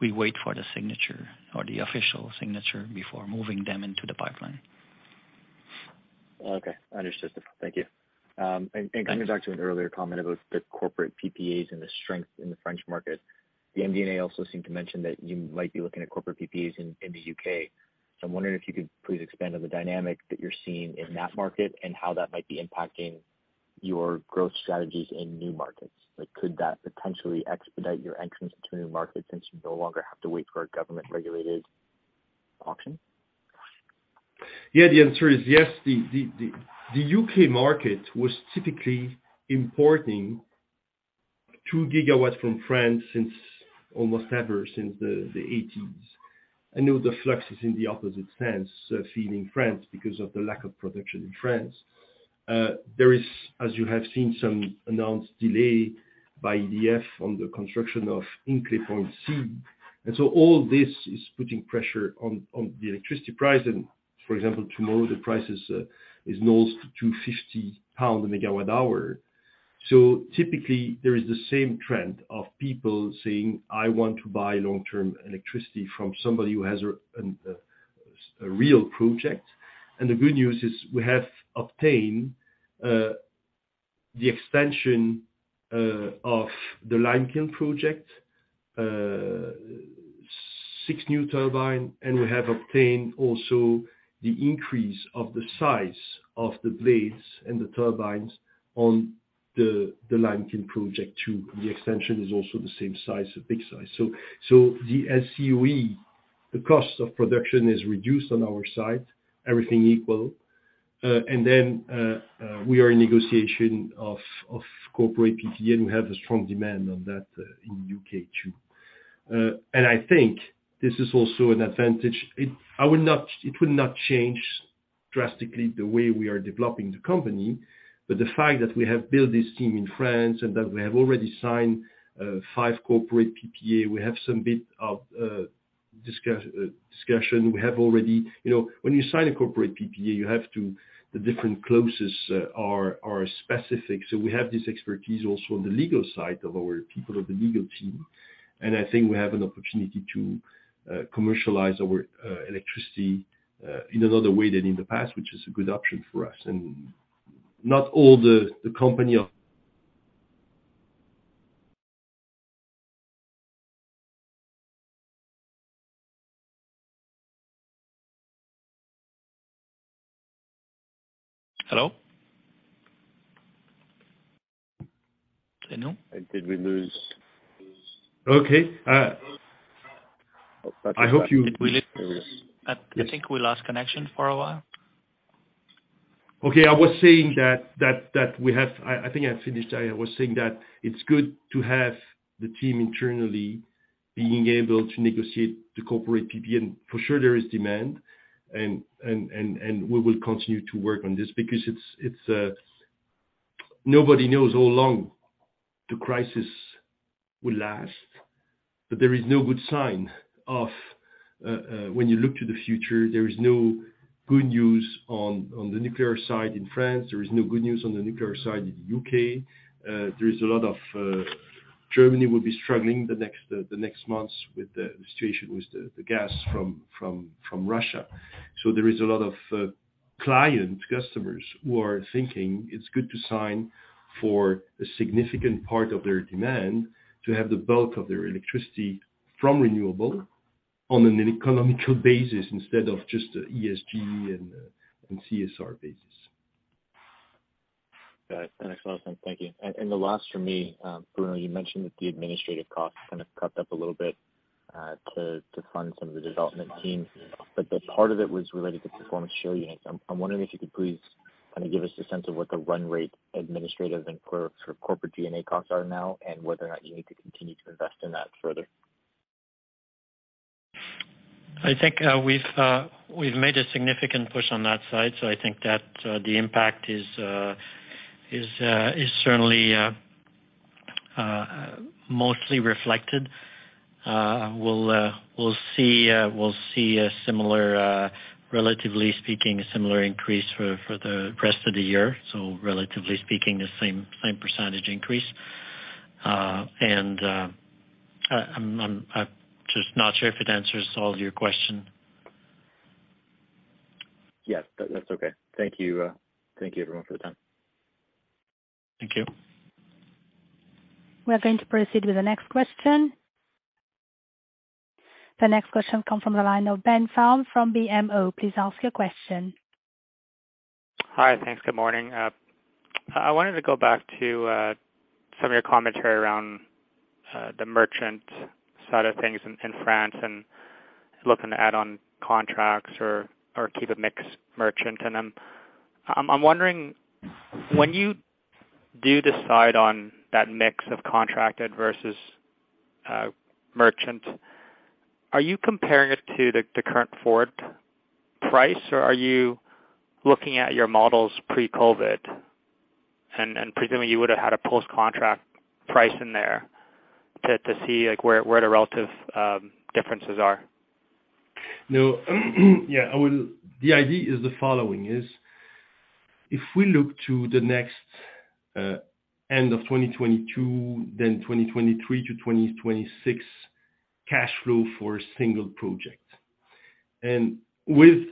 We wait for the signature or the official signature before moving them into the pipeline. Okay. Understood. Thank you. Coming back to an earlier comment about the corporate PPAs and the strength in the French market. The MD&A also seemed to mention that you might be looking at corporate PPAs in the UK. I'm wondering if you could please expand on the dynamic that you're seeing in that market and how that might be impacting your growth strategies in new markets. Like, could that potentially expedite your entrance into new markets since you no longer have to wait for a government regulated auction? Yeah, the answer is yes. The UK market was typically importing 2 gigawatts from France since almost ever, since the 1980s. I know the flux is in the opposite sense, feeding France because of the lack of production in France. There is, as you have seen, some announced delay by EDF on the construction of Hinkley Point C. All this is putting pressure on the electricity price. For example, tomorrow the price is almost 250 pound a MW hour. Typically there is the same trend of people saying, "I want to buy long-term electricity from somebody who has a real project." The good news is we have obtained the extension of the Limekiln project, 6 new turbine, and we have obtained also the increase of the size of the blades and the turbines on the Limekiln project too. The extension is also the same size, a big size. The LCOE, the cost of production is reduced on our side, everything equal. We are in negotiation of corporate PPA, and we have a strong demand on that in UK too. I think this is also an advantage. It would not change drastically the way we are developing the company. The fact that we have built this team in France and that we have already signed five corporate PPA, we have some bit of discussion. We have already. You know, when you sign a corporate PPA, you have to the different clauses are specific. So we have this expertise also on the legal side of our people, of the legal team. I think we have an opportunity to commercialize our electricity in another way than in the past, which is a good option for us. Not all the companies are Hello? Bruno? Did we lose? Okay. I hope you I think we lost connection for a while. Okay. I think I finished. I was saying that it's good to have the team internally being able to negotiate the corporate PPA. For sure there is demand and we will continue to work on this because nobody knows how long the crisis will last, but there is no good sign of when you look to the future, there is no good news on the nuclear side in France. There is no good news on the nuclear side in the UK. Germany will be struggling the next months with the situation with the gas from Russia. There is a lot of client customers who are thinking it's good to sign for a significant part of their demand to have the bulk of their electricity from renewable on an economical basis instead of just ESG and CSR basis. Got it. Excellent. Thank you. The last from me, Bruno, you mentioned that the administrative costs kind of crept up a little bit to fund some of the development teams, but that part of it was related to performance share units. I'm wondering if you could please kind of give us a sense of what the run rate administrative and corporate G&A costs are now and whether or not you need to continue to invest in that further. I think we've made a significant push on that side, so I think that the impact is certainly mostly reflected. We'll see a similar, relatively speaking, a similar increase for the rest of the year. Relatively speaking, the same percentage increase. I'm just not sure if it answers all of your question. Yes, that's okay. Thank you. Thank you everyone for the time. Thank you. We are going to proceed with the next question. The next question comes from the line of Benjamin Pham from BMO. Please ask your question. Hi. Thanks. Good morning. I wanted to go back to some of your commentary around the merchant side of things in France and looking to add on contracts or keep a mix merchant in them. I'm wondering, when you do decide on that mix of contracted versus merchant, are you comparing it to the current forward price, or are you looking at your models pre-COVID and presuming you would have had a post-contract price in there to see, like, where the relative differences are? No. Yeah, the idea is the following: if we look to the next end of 2022, then 2023 to 2026 cash flow for a single project and with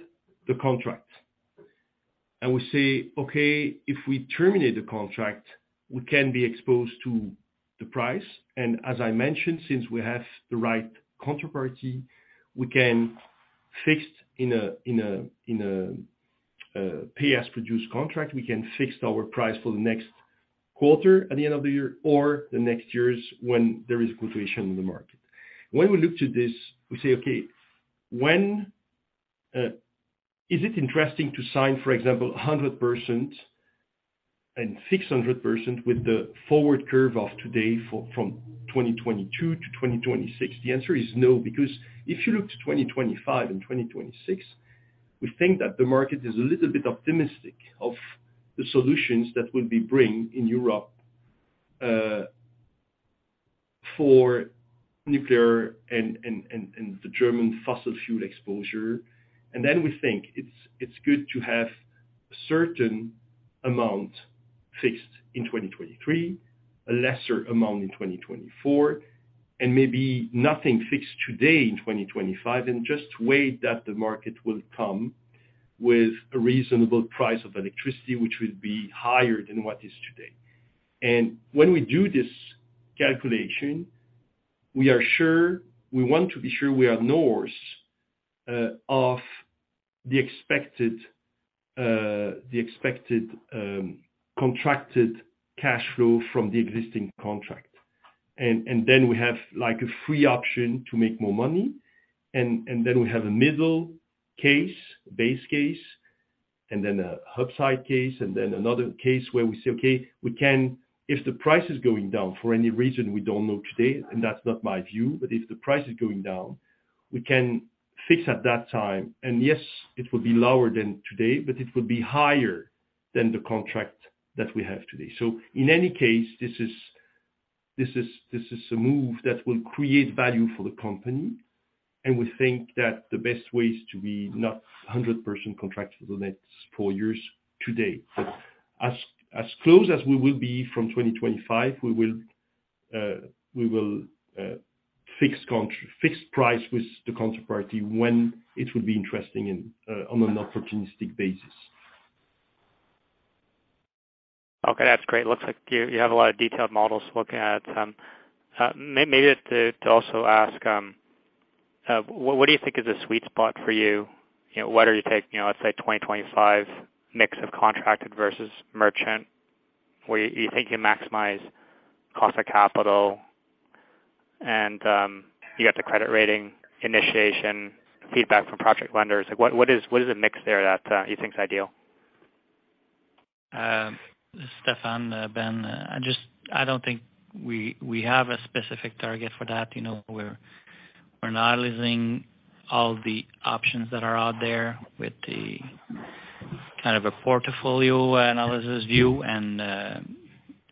the contract, and we say, "Okay, if we terminate the contract, we can be exposed to the price." As I mentioned, since we have the right counterparty, we can fix in a pay-as-produced contract our price for the next quarter at the end of the year or the next years when there is fluctuation in the market. When we look to this, we say, okay, when is it interesting to sign, for example, 100% and 600% with the forward curve of today for from 2022 to 2026? The answer is no, because if you look to 2025 and 2026, we think that the market is a little bit optimistic of the solutions that we'll be bringing in Europe, for nuclear and the German fossil fuel exposure. Then we think it's good to have a certain amount fixed in 2023, a lesser amount in 2024, and maybe nothing fixed today in 2025, and just wait that the market will come with a reasonable price of electricity, which will be higher than what is today. When we do this calculation, we are sure, we want to be sure we are north of the expected contracted cash flow from the existing contract. We have, like, a free option to make more money, and then we have a middle case, base case, and then an upside case, and then another case where we say, okay, if the price is going down for any reason, we don't know today, and that's not my view, but if the price is going down, we can fix at that time. Yes, it will be lower than today, but it will be higher than the contract that we have today. In any case, this is a move that will create value for the company, and we think that the best way is to be not 100% contracted for the next four years today. As close as we will be from 2025, we will fix price with the counterparty when it will be interesting and on an opportunistic basis. Okay, that's great. Looks like you have a lot of detailed models looking at. Maybe to also ask, what do you think is a sweet spot for you? You know, whether you take, you know, let's say 2025 mix of contracted versus merchant, where you think you maximize cost of capital and you got the credit rating initiation feedback from project lenders. Like, what is the mix there that you think is ideal? This is Stéphane, Ben. I don't think we have a specific target for that. You know, we're analyzing all the options that are out there with the kind of a portfolio analysis view, and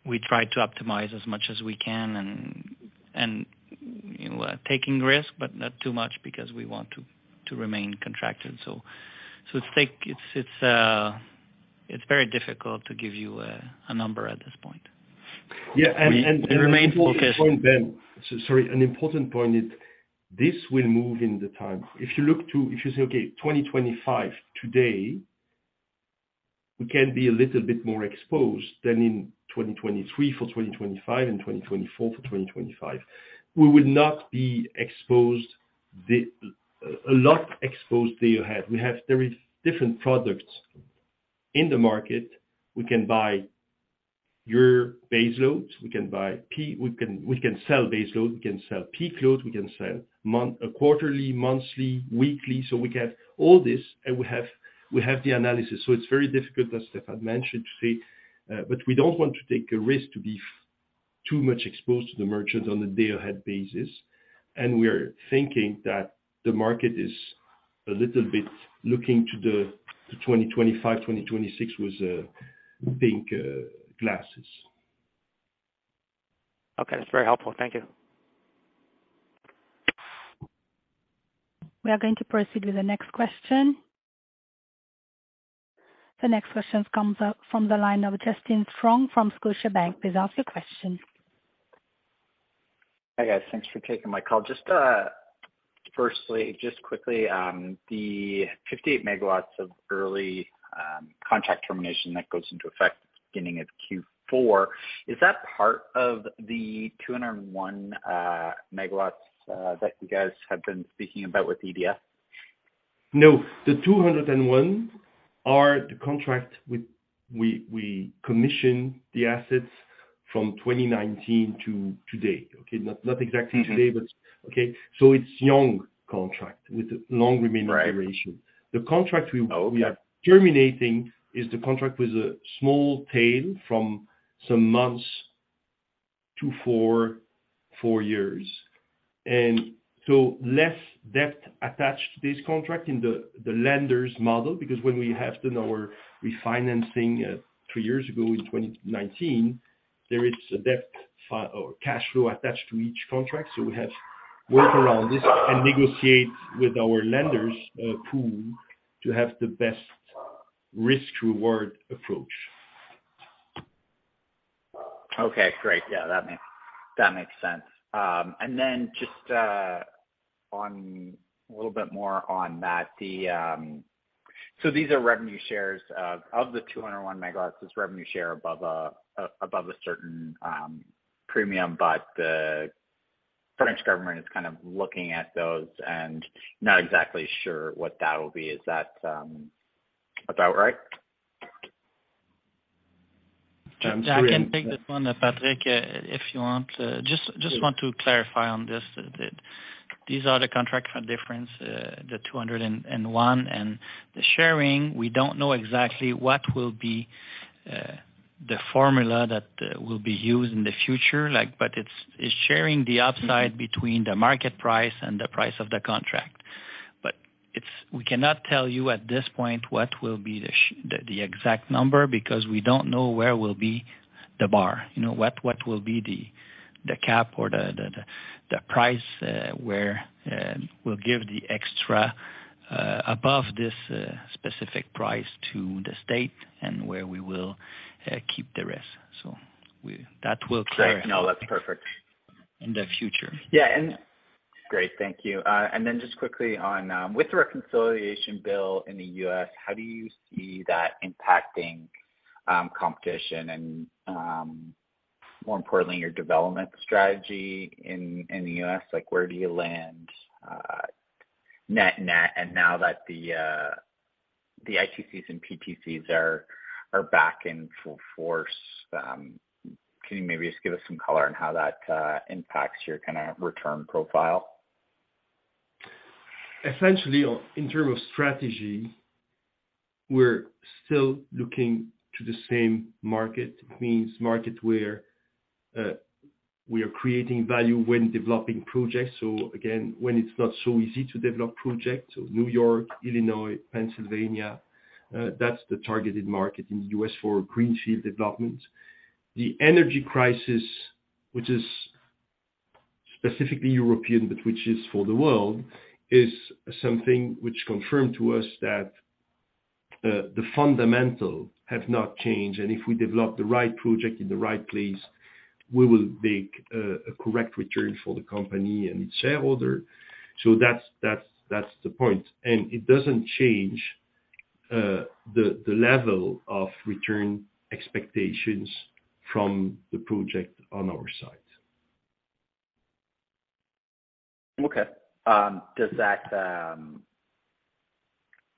we try to optimize as much as we can and, you know, taking risk, but not too much because we want to remain contracted. It's very difficult to give you a number at this point. Yeah. We remain focused. An important point, Ben. Sorry. An important point is this will move in the time. If you say, okay, 2025 today, we can be a little bit more exposed than in 2023 for 2025 and 2024 for 2025. We would not be a lot exposed there ahead. We have very different products in the market. We can buy your baseload, we can buy peak. We can sell baseload, we can sell peak load, we can sell quarterly, monthly, weekly. So we have all this and we have the analysis. So it's very difficult, as Stéphane mentioned, to say but we don't want to take a risk to be too much exposed to the merchant on a day-ahead basis. We are thinking that the market is a little bit looking to the 2025, 2026 with pink glasses. Okay. That's very helpful. Thank you. We are going to proceed with the next question. The next question comes from the line of Justin Strong from Scotiabank. Please ask your question. Hi, guys. Thanks for taking my call. Just, firstly, just quickly, the 58 MW of early Contract termination that goes into effect beginning of Q4. Is that part of the 201 MW that you guys have been speaking about with EDF? No. The 201 are the contracts with which we commission the assets from 2019 to today, okay? Mm-hmm Today, but okay. It's young contract with long remaining duration. Right. The contract we are terminating is the contract with a small tail from some months to 4 years. Less debt attached to this contract in the lenders model, because when we have done our refinancing 3 years ago in 2019, there is a debt or cash flow attached to each contract. We have worked around this and negotiate with our lenders pool to have the best risk-reward approach. Okay, great. Yeah, that makes sense. Just on a little bit more on that. These are revenue shares of the 201 MW is revenue share above a certain premium, but the French government is kind of looking at those and not exactly sure what that will be. Is that about right? It's really. Yeah, I can take that one, Patrick, if you want. Just want to clarify on this, that these are the contract for difference, the 201 and the sharing, we don't know exactly what will be the formula that will be used in the future. Like, but it's sharing the upside between the market price and the price of the contract. But we cannot tell you at this point what will be the exact number, because we don't know where will be the bar. You know what will be the cap or the price where we'll give the extra above this specific price to the state and where we will keep the rest. That will clarify- No, that's perfect. in the future. Yeah. Great, thank you. Just quickly on with the reconciliation bill in the U.S., how do you see that impacting competition and, more importantly, your development strategy in the U.S.? Like where do you land, net net? Now that the ITCs and PTCs are back in full force, can you maybe just give us some color on how that impacts your kinda return profile? Essentially, in terms of strategy, we're still looking to the same market. Mean markets where we are creating value when developing projects. When it's not so easy to develop projects, New York, Illinois, Pennsylvania, that's the targeted market in the U.S. for greenfield development. The energy crisis, which is specifically European, but which is for the world, is something which confirmed to us that the fundamentals have not changed. If we develop the right project in the right place, we will make a correct return for the company and its shareholder. That's the point. It doesn't change the level of return expectations from the project on our side.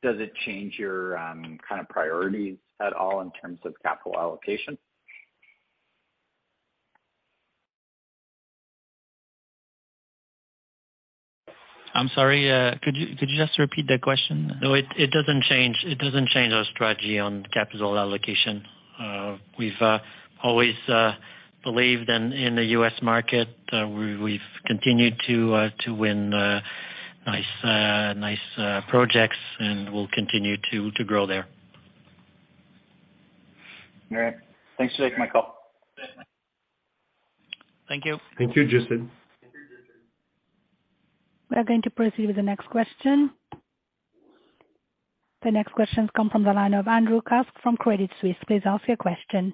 Does it change your kind of priorities at all in terms of capital allocation? I'm sorry, could you just repeat the question? No, it doesn't change our strategy on capital allocation. We've always believed in the U.S. market, we've continued to win nice projects and we'll continue to grow there. All right. Thanks for taking my call. Thank you. Thank you, Justin. We are going to proceed with the next question. The next question comes from the line of Andrew Kuske from Credit Suisse. Please ask your question.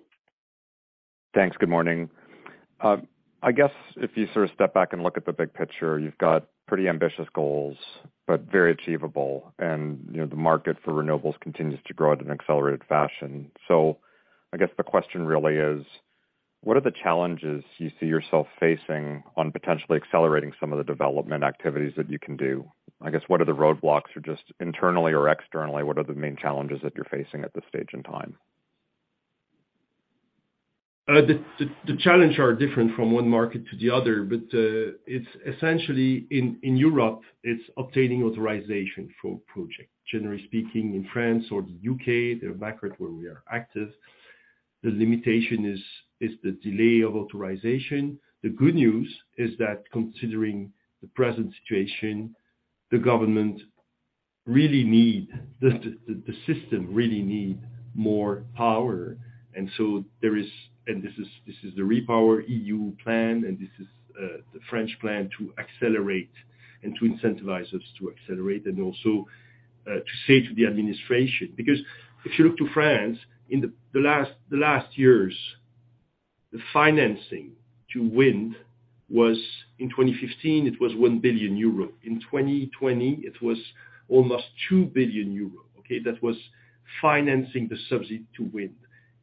Thanks. Good morning. I guess if you sort of step back and look at the big picture, you've got pretty ambitious goals, but very achievable. You know, the market for renewables continues to grow at an accelerated fashion. I guess the question really is: What are the challenges you see yourself facing on potentially accelerating some of the development activities that you can do? I guess what are the roadblocks or just internally or externally, what are the main challenges that you're facing at this stage in time? The challenge are different from one market to the other, but it's essentially in Europe, it's obtaining authorization for project. Generally speaking, in France or the UK, they're markets where we are active, the limitation is the delay of authorization. The good news is that considering the present situation, the government really need the system really need more power. There is this is the REPowerEU plan, and this is the French plan to accelerate and to incentivize us to accelerate and also to say to the administration. Because if you look to France, in the last years the financing to wind was, in 2015, it was 1 billion euro. In 2020, it was almost 2 billion euro, okay? That was financing the subsidy to wind.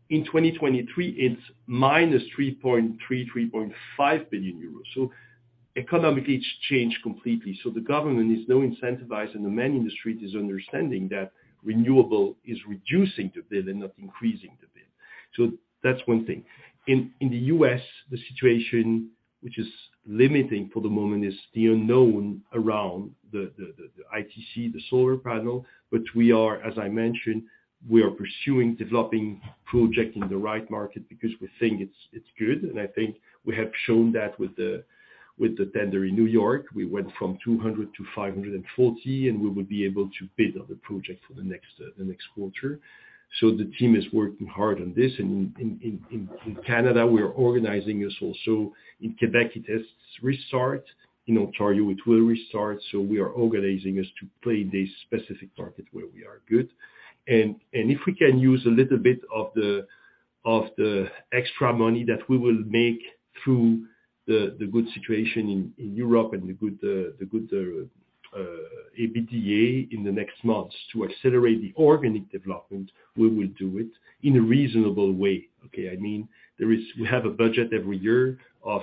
In 2023, it's -3.3 billion euros, EUR 3.5 billion. Economically, it's changed completely. The government is now incentivizing, the main industry is understanding that renewable is reducing the bill and not increasing the bill. That's one thing. In the US, the situation which is limiting for the moment is the unknown around the ITC, the solar panel. But we are pursuing developing projects in the right market because we think it's good. I think we have shown that with the tender in New York. We went from 200 to 540, and we will be able to bid on the project for the next quarter. The team is working hard on this. In Canada, we are organizing this also. In Quebec, it has restarted. In Ontario, it will restart, so we are organizing this to play this specific market where we are good. If we can use a little bit of the extra money that we will make through the good situation in Europe and the good EBITDA in the next months to accelerate the organic development, we will do it in a reasonable way, okay? I mean, there is. We have a budget every year of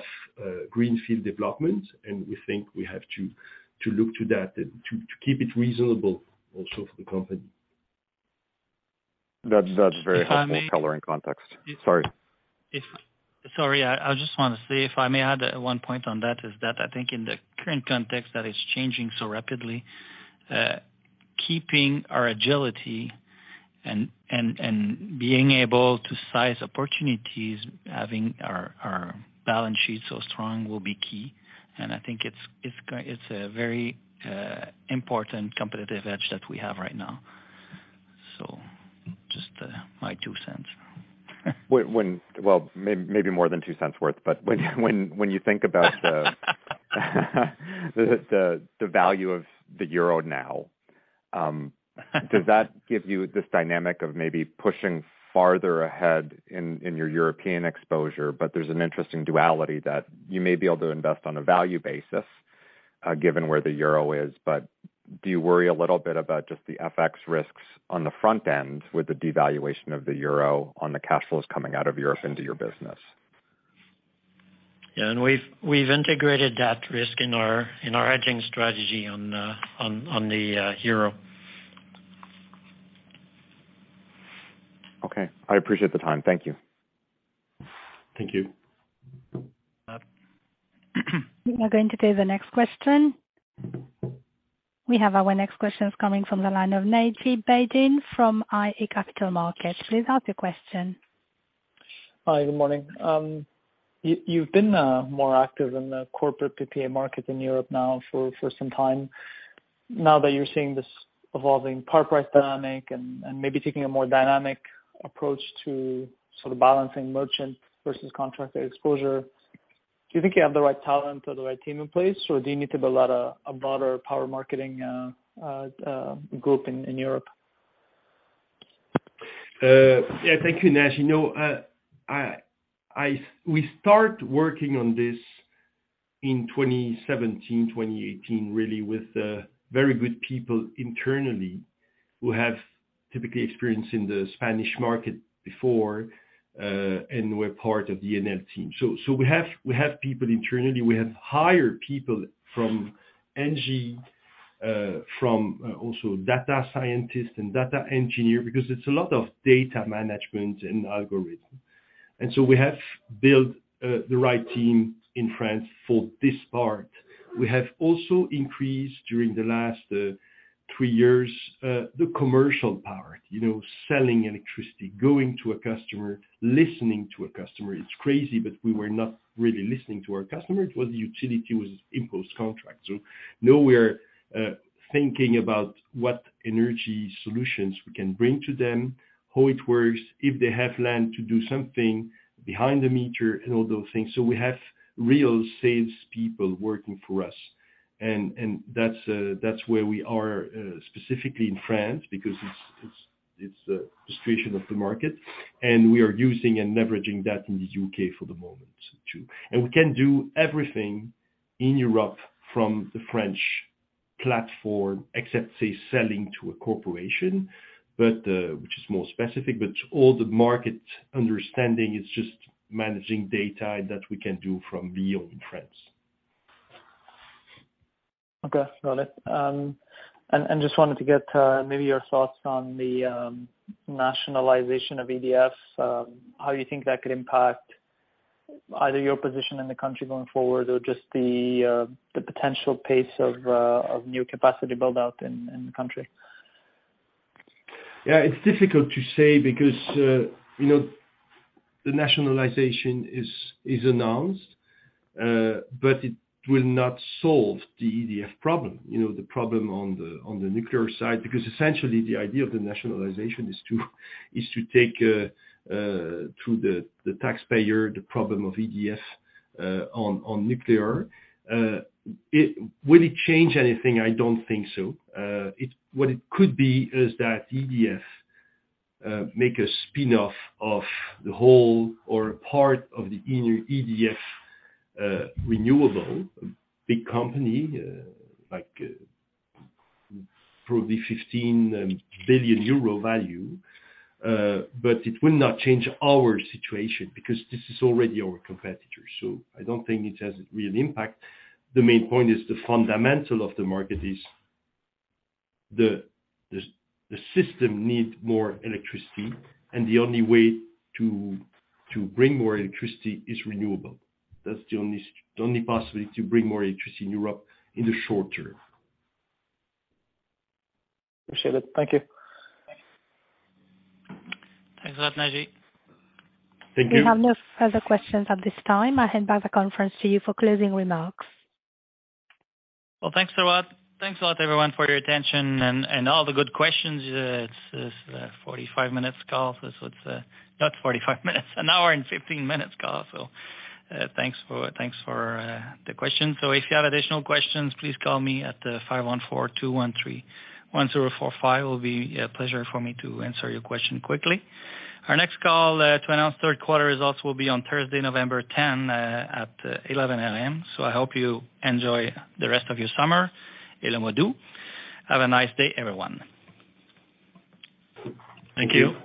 greenfield development, and we think we have to look to that and to keep it reasonable also for the company. That's very helpful color in context. Sorry. Sorry, I just wanna say, if I may add one point on that, is that I think in the current context that is changing so rapidly, keeping our agility and being able to size opportunities, having our balance sheet so strong will be key. I think it's a very important competitive edge that we have right now. Just my two cents. Well, maybe more than two cents worth. When you think about the value of the euro now, does that give you this dynamic of maybe pushing farther ahead in your European exposure? There's an interesting duality that you may be able to invest on a value basis, given where the euro is. Do you worry a little bit about just the FX risks on the front end with the devaluation of the euro on the cash flows coming out of Europe into your business? We've integrated that risk in our hedging strategy on the euro. Okay. I appreciate the time. Thank you. Thank you. Matt? We are going to do the next question. We have our next question is coming from the line of Naji Baydoun, from iA Capital Markets. Please ask your question. Hi, good morning. You've been more active in the corporate PPA market in Europe now for some time. Now that you're seeing this evolving power price dynamic and maybe taking a more dynamic approach to sort of balancing merchant versus contracted exposure, do you think you have the right talent or the right team in place, or do you need to build out a broader power marketing group in Europe? Yeah, thank you, Naji. You know, we start working on this in 2017, 2018, really with very good people internally who have typical experience in the Spanish market before, and were part of the Enel team. We have people internally. We have hired people from Engie, and also data scientists and data engineers, because it's a lot of data management and algorithms. We have built the right team in France for this part. We have also increased, during the last 3 years, the commercial part, you know, selling electricity, going to a customer, listening to a customer. It's crazy, but we were not really listening to our customers. It was a utility-imposed contract. Now we are thinking about what energy solutions we can bring to them, how it works, if they have land to do something behind the meter and all those things. We have real sales people working for us. That's where we are specifically in France, because it's the situation of the market, and we are using and leveraging that in the UK for the moment, too. We can do everything in Europe from the French platform, except say, selling to a corporation, but which is more specific. All the market understanding is just managing data that we can do from beyond France. Okay. Got it. Just wanted to get maybe your thoughts on the nationalization of EDF, how you think that could impact either your position in the country going forward or just the potential pace of new capacity build-out in the country? Yeah, it's difficult to say because, you know, the nationalization is announced, but it will not solve the EDF problem. You know, the problem on the nuclear side. Because essentially, the idea of the nationalization is to take to the taxpayer the problem of EDF on nuclear. Will it change anything? I don't think so. What it could be is that EDF make a spin-off of the whole or a part of the EDF Renouvelables. Big company, like, probably 15 billion euro value. But it will not change our situation because this is already our competitor, so I don't think it has a real impact. The main point is the fundamental of the market is the system need more electricity, and the only way to bring more electricity is renewable. That's the only possibility to bring more electricity in Europe in the short term. Appreciate it. Thank you. Thanks a lot, Naji. Thank you. We have no further questions at this time. I hand back the conference to you for closing remarks. Well, thanks a lot. Thanks a lot, everyone, for your attention and all the good questions. It's a forty-five minutes call, so it's not forty-five minutes, an hour and fifteen minutes call. Thanks for the questions. If you have additional questions, please call me at 514-213-1045. It will be a pleasure for me to answer your question quickly. Our next call to announce third quarter results will be on Thursday, November 10, at 11 A.M. I hope you enjoy the rest of your summer. We do. Have a nice day, everyone. Thank you.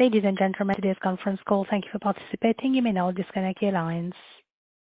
Ladies and gentlemen, today's conference call. Thank you for participating. You may now disconnect your lines.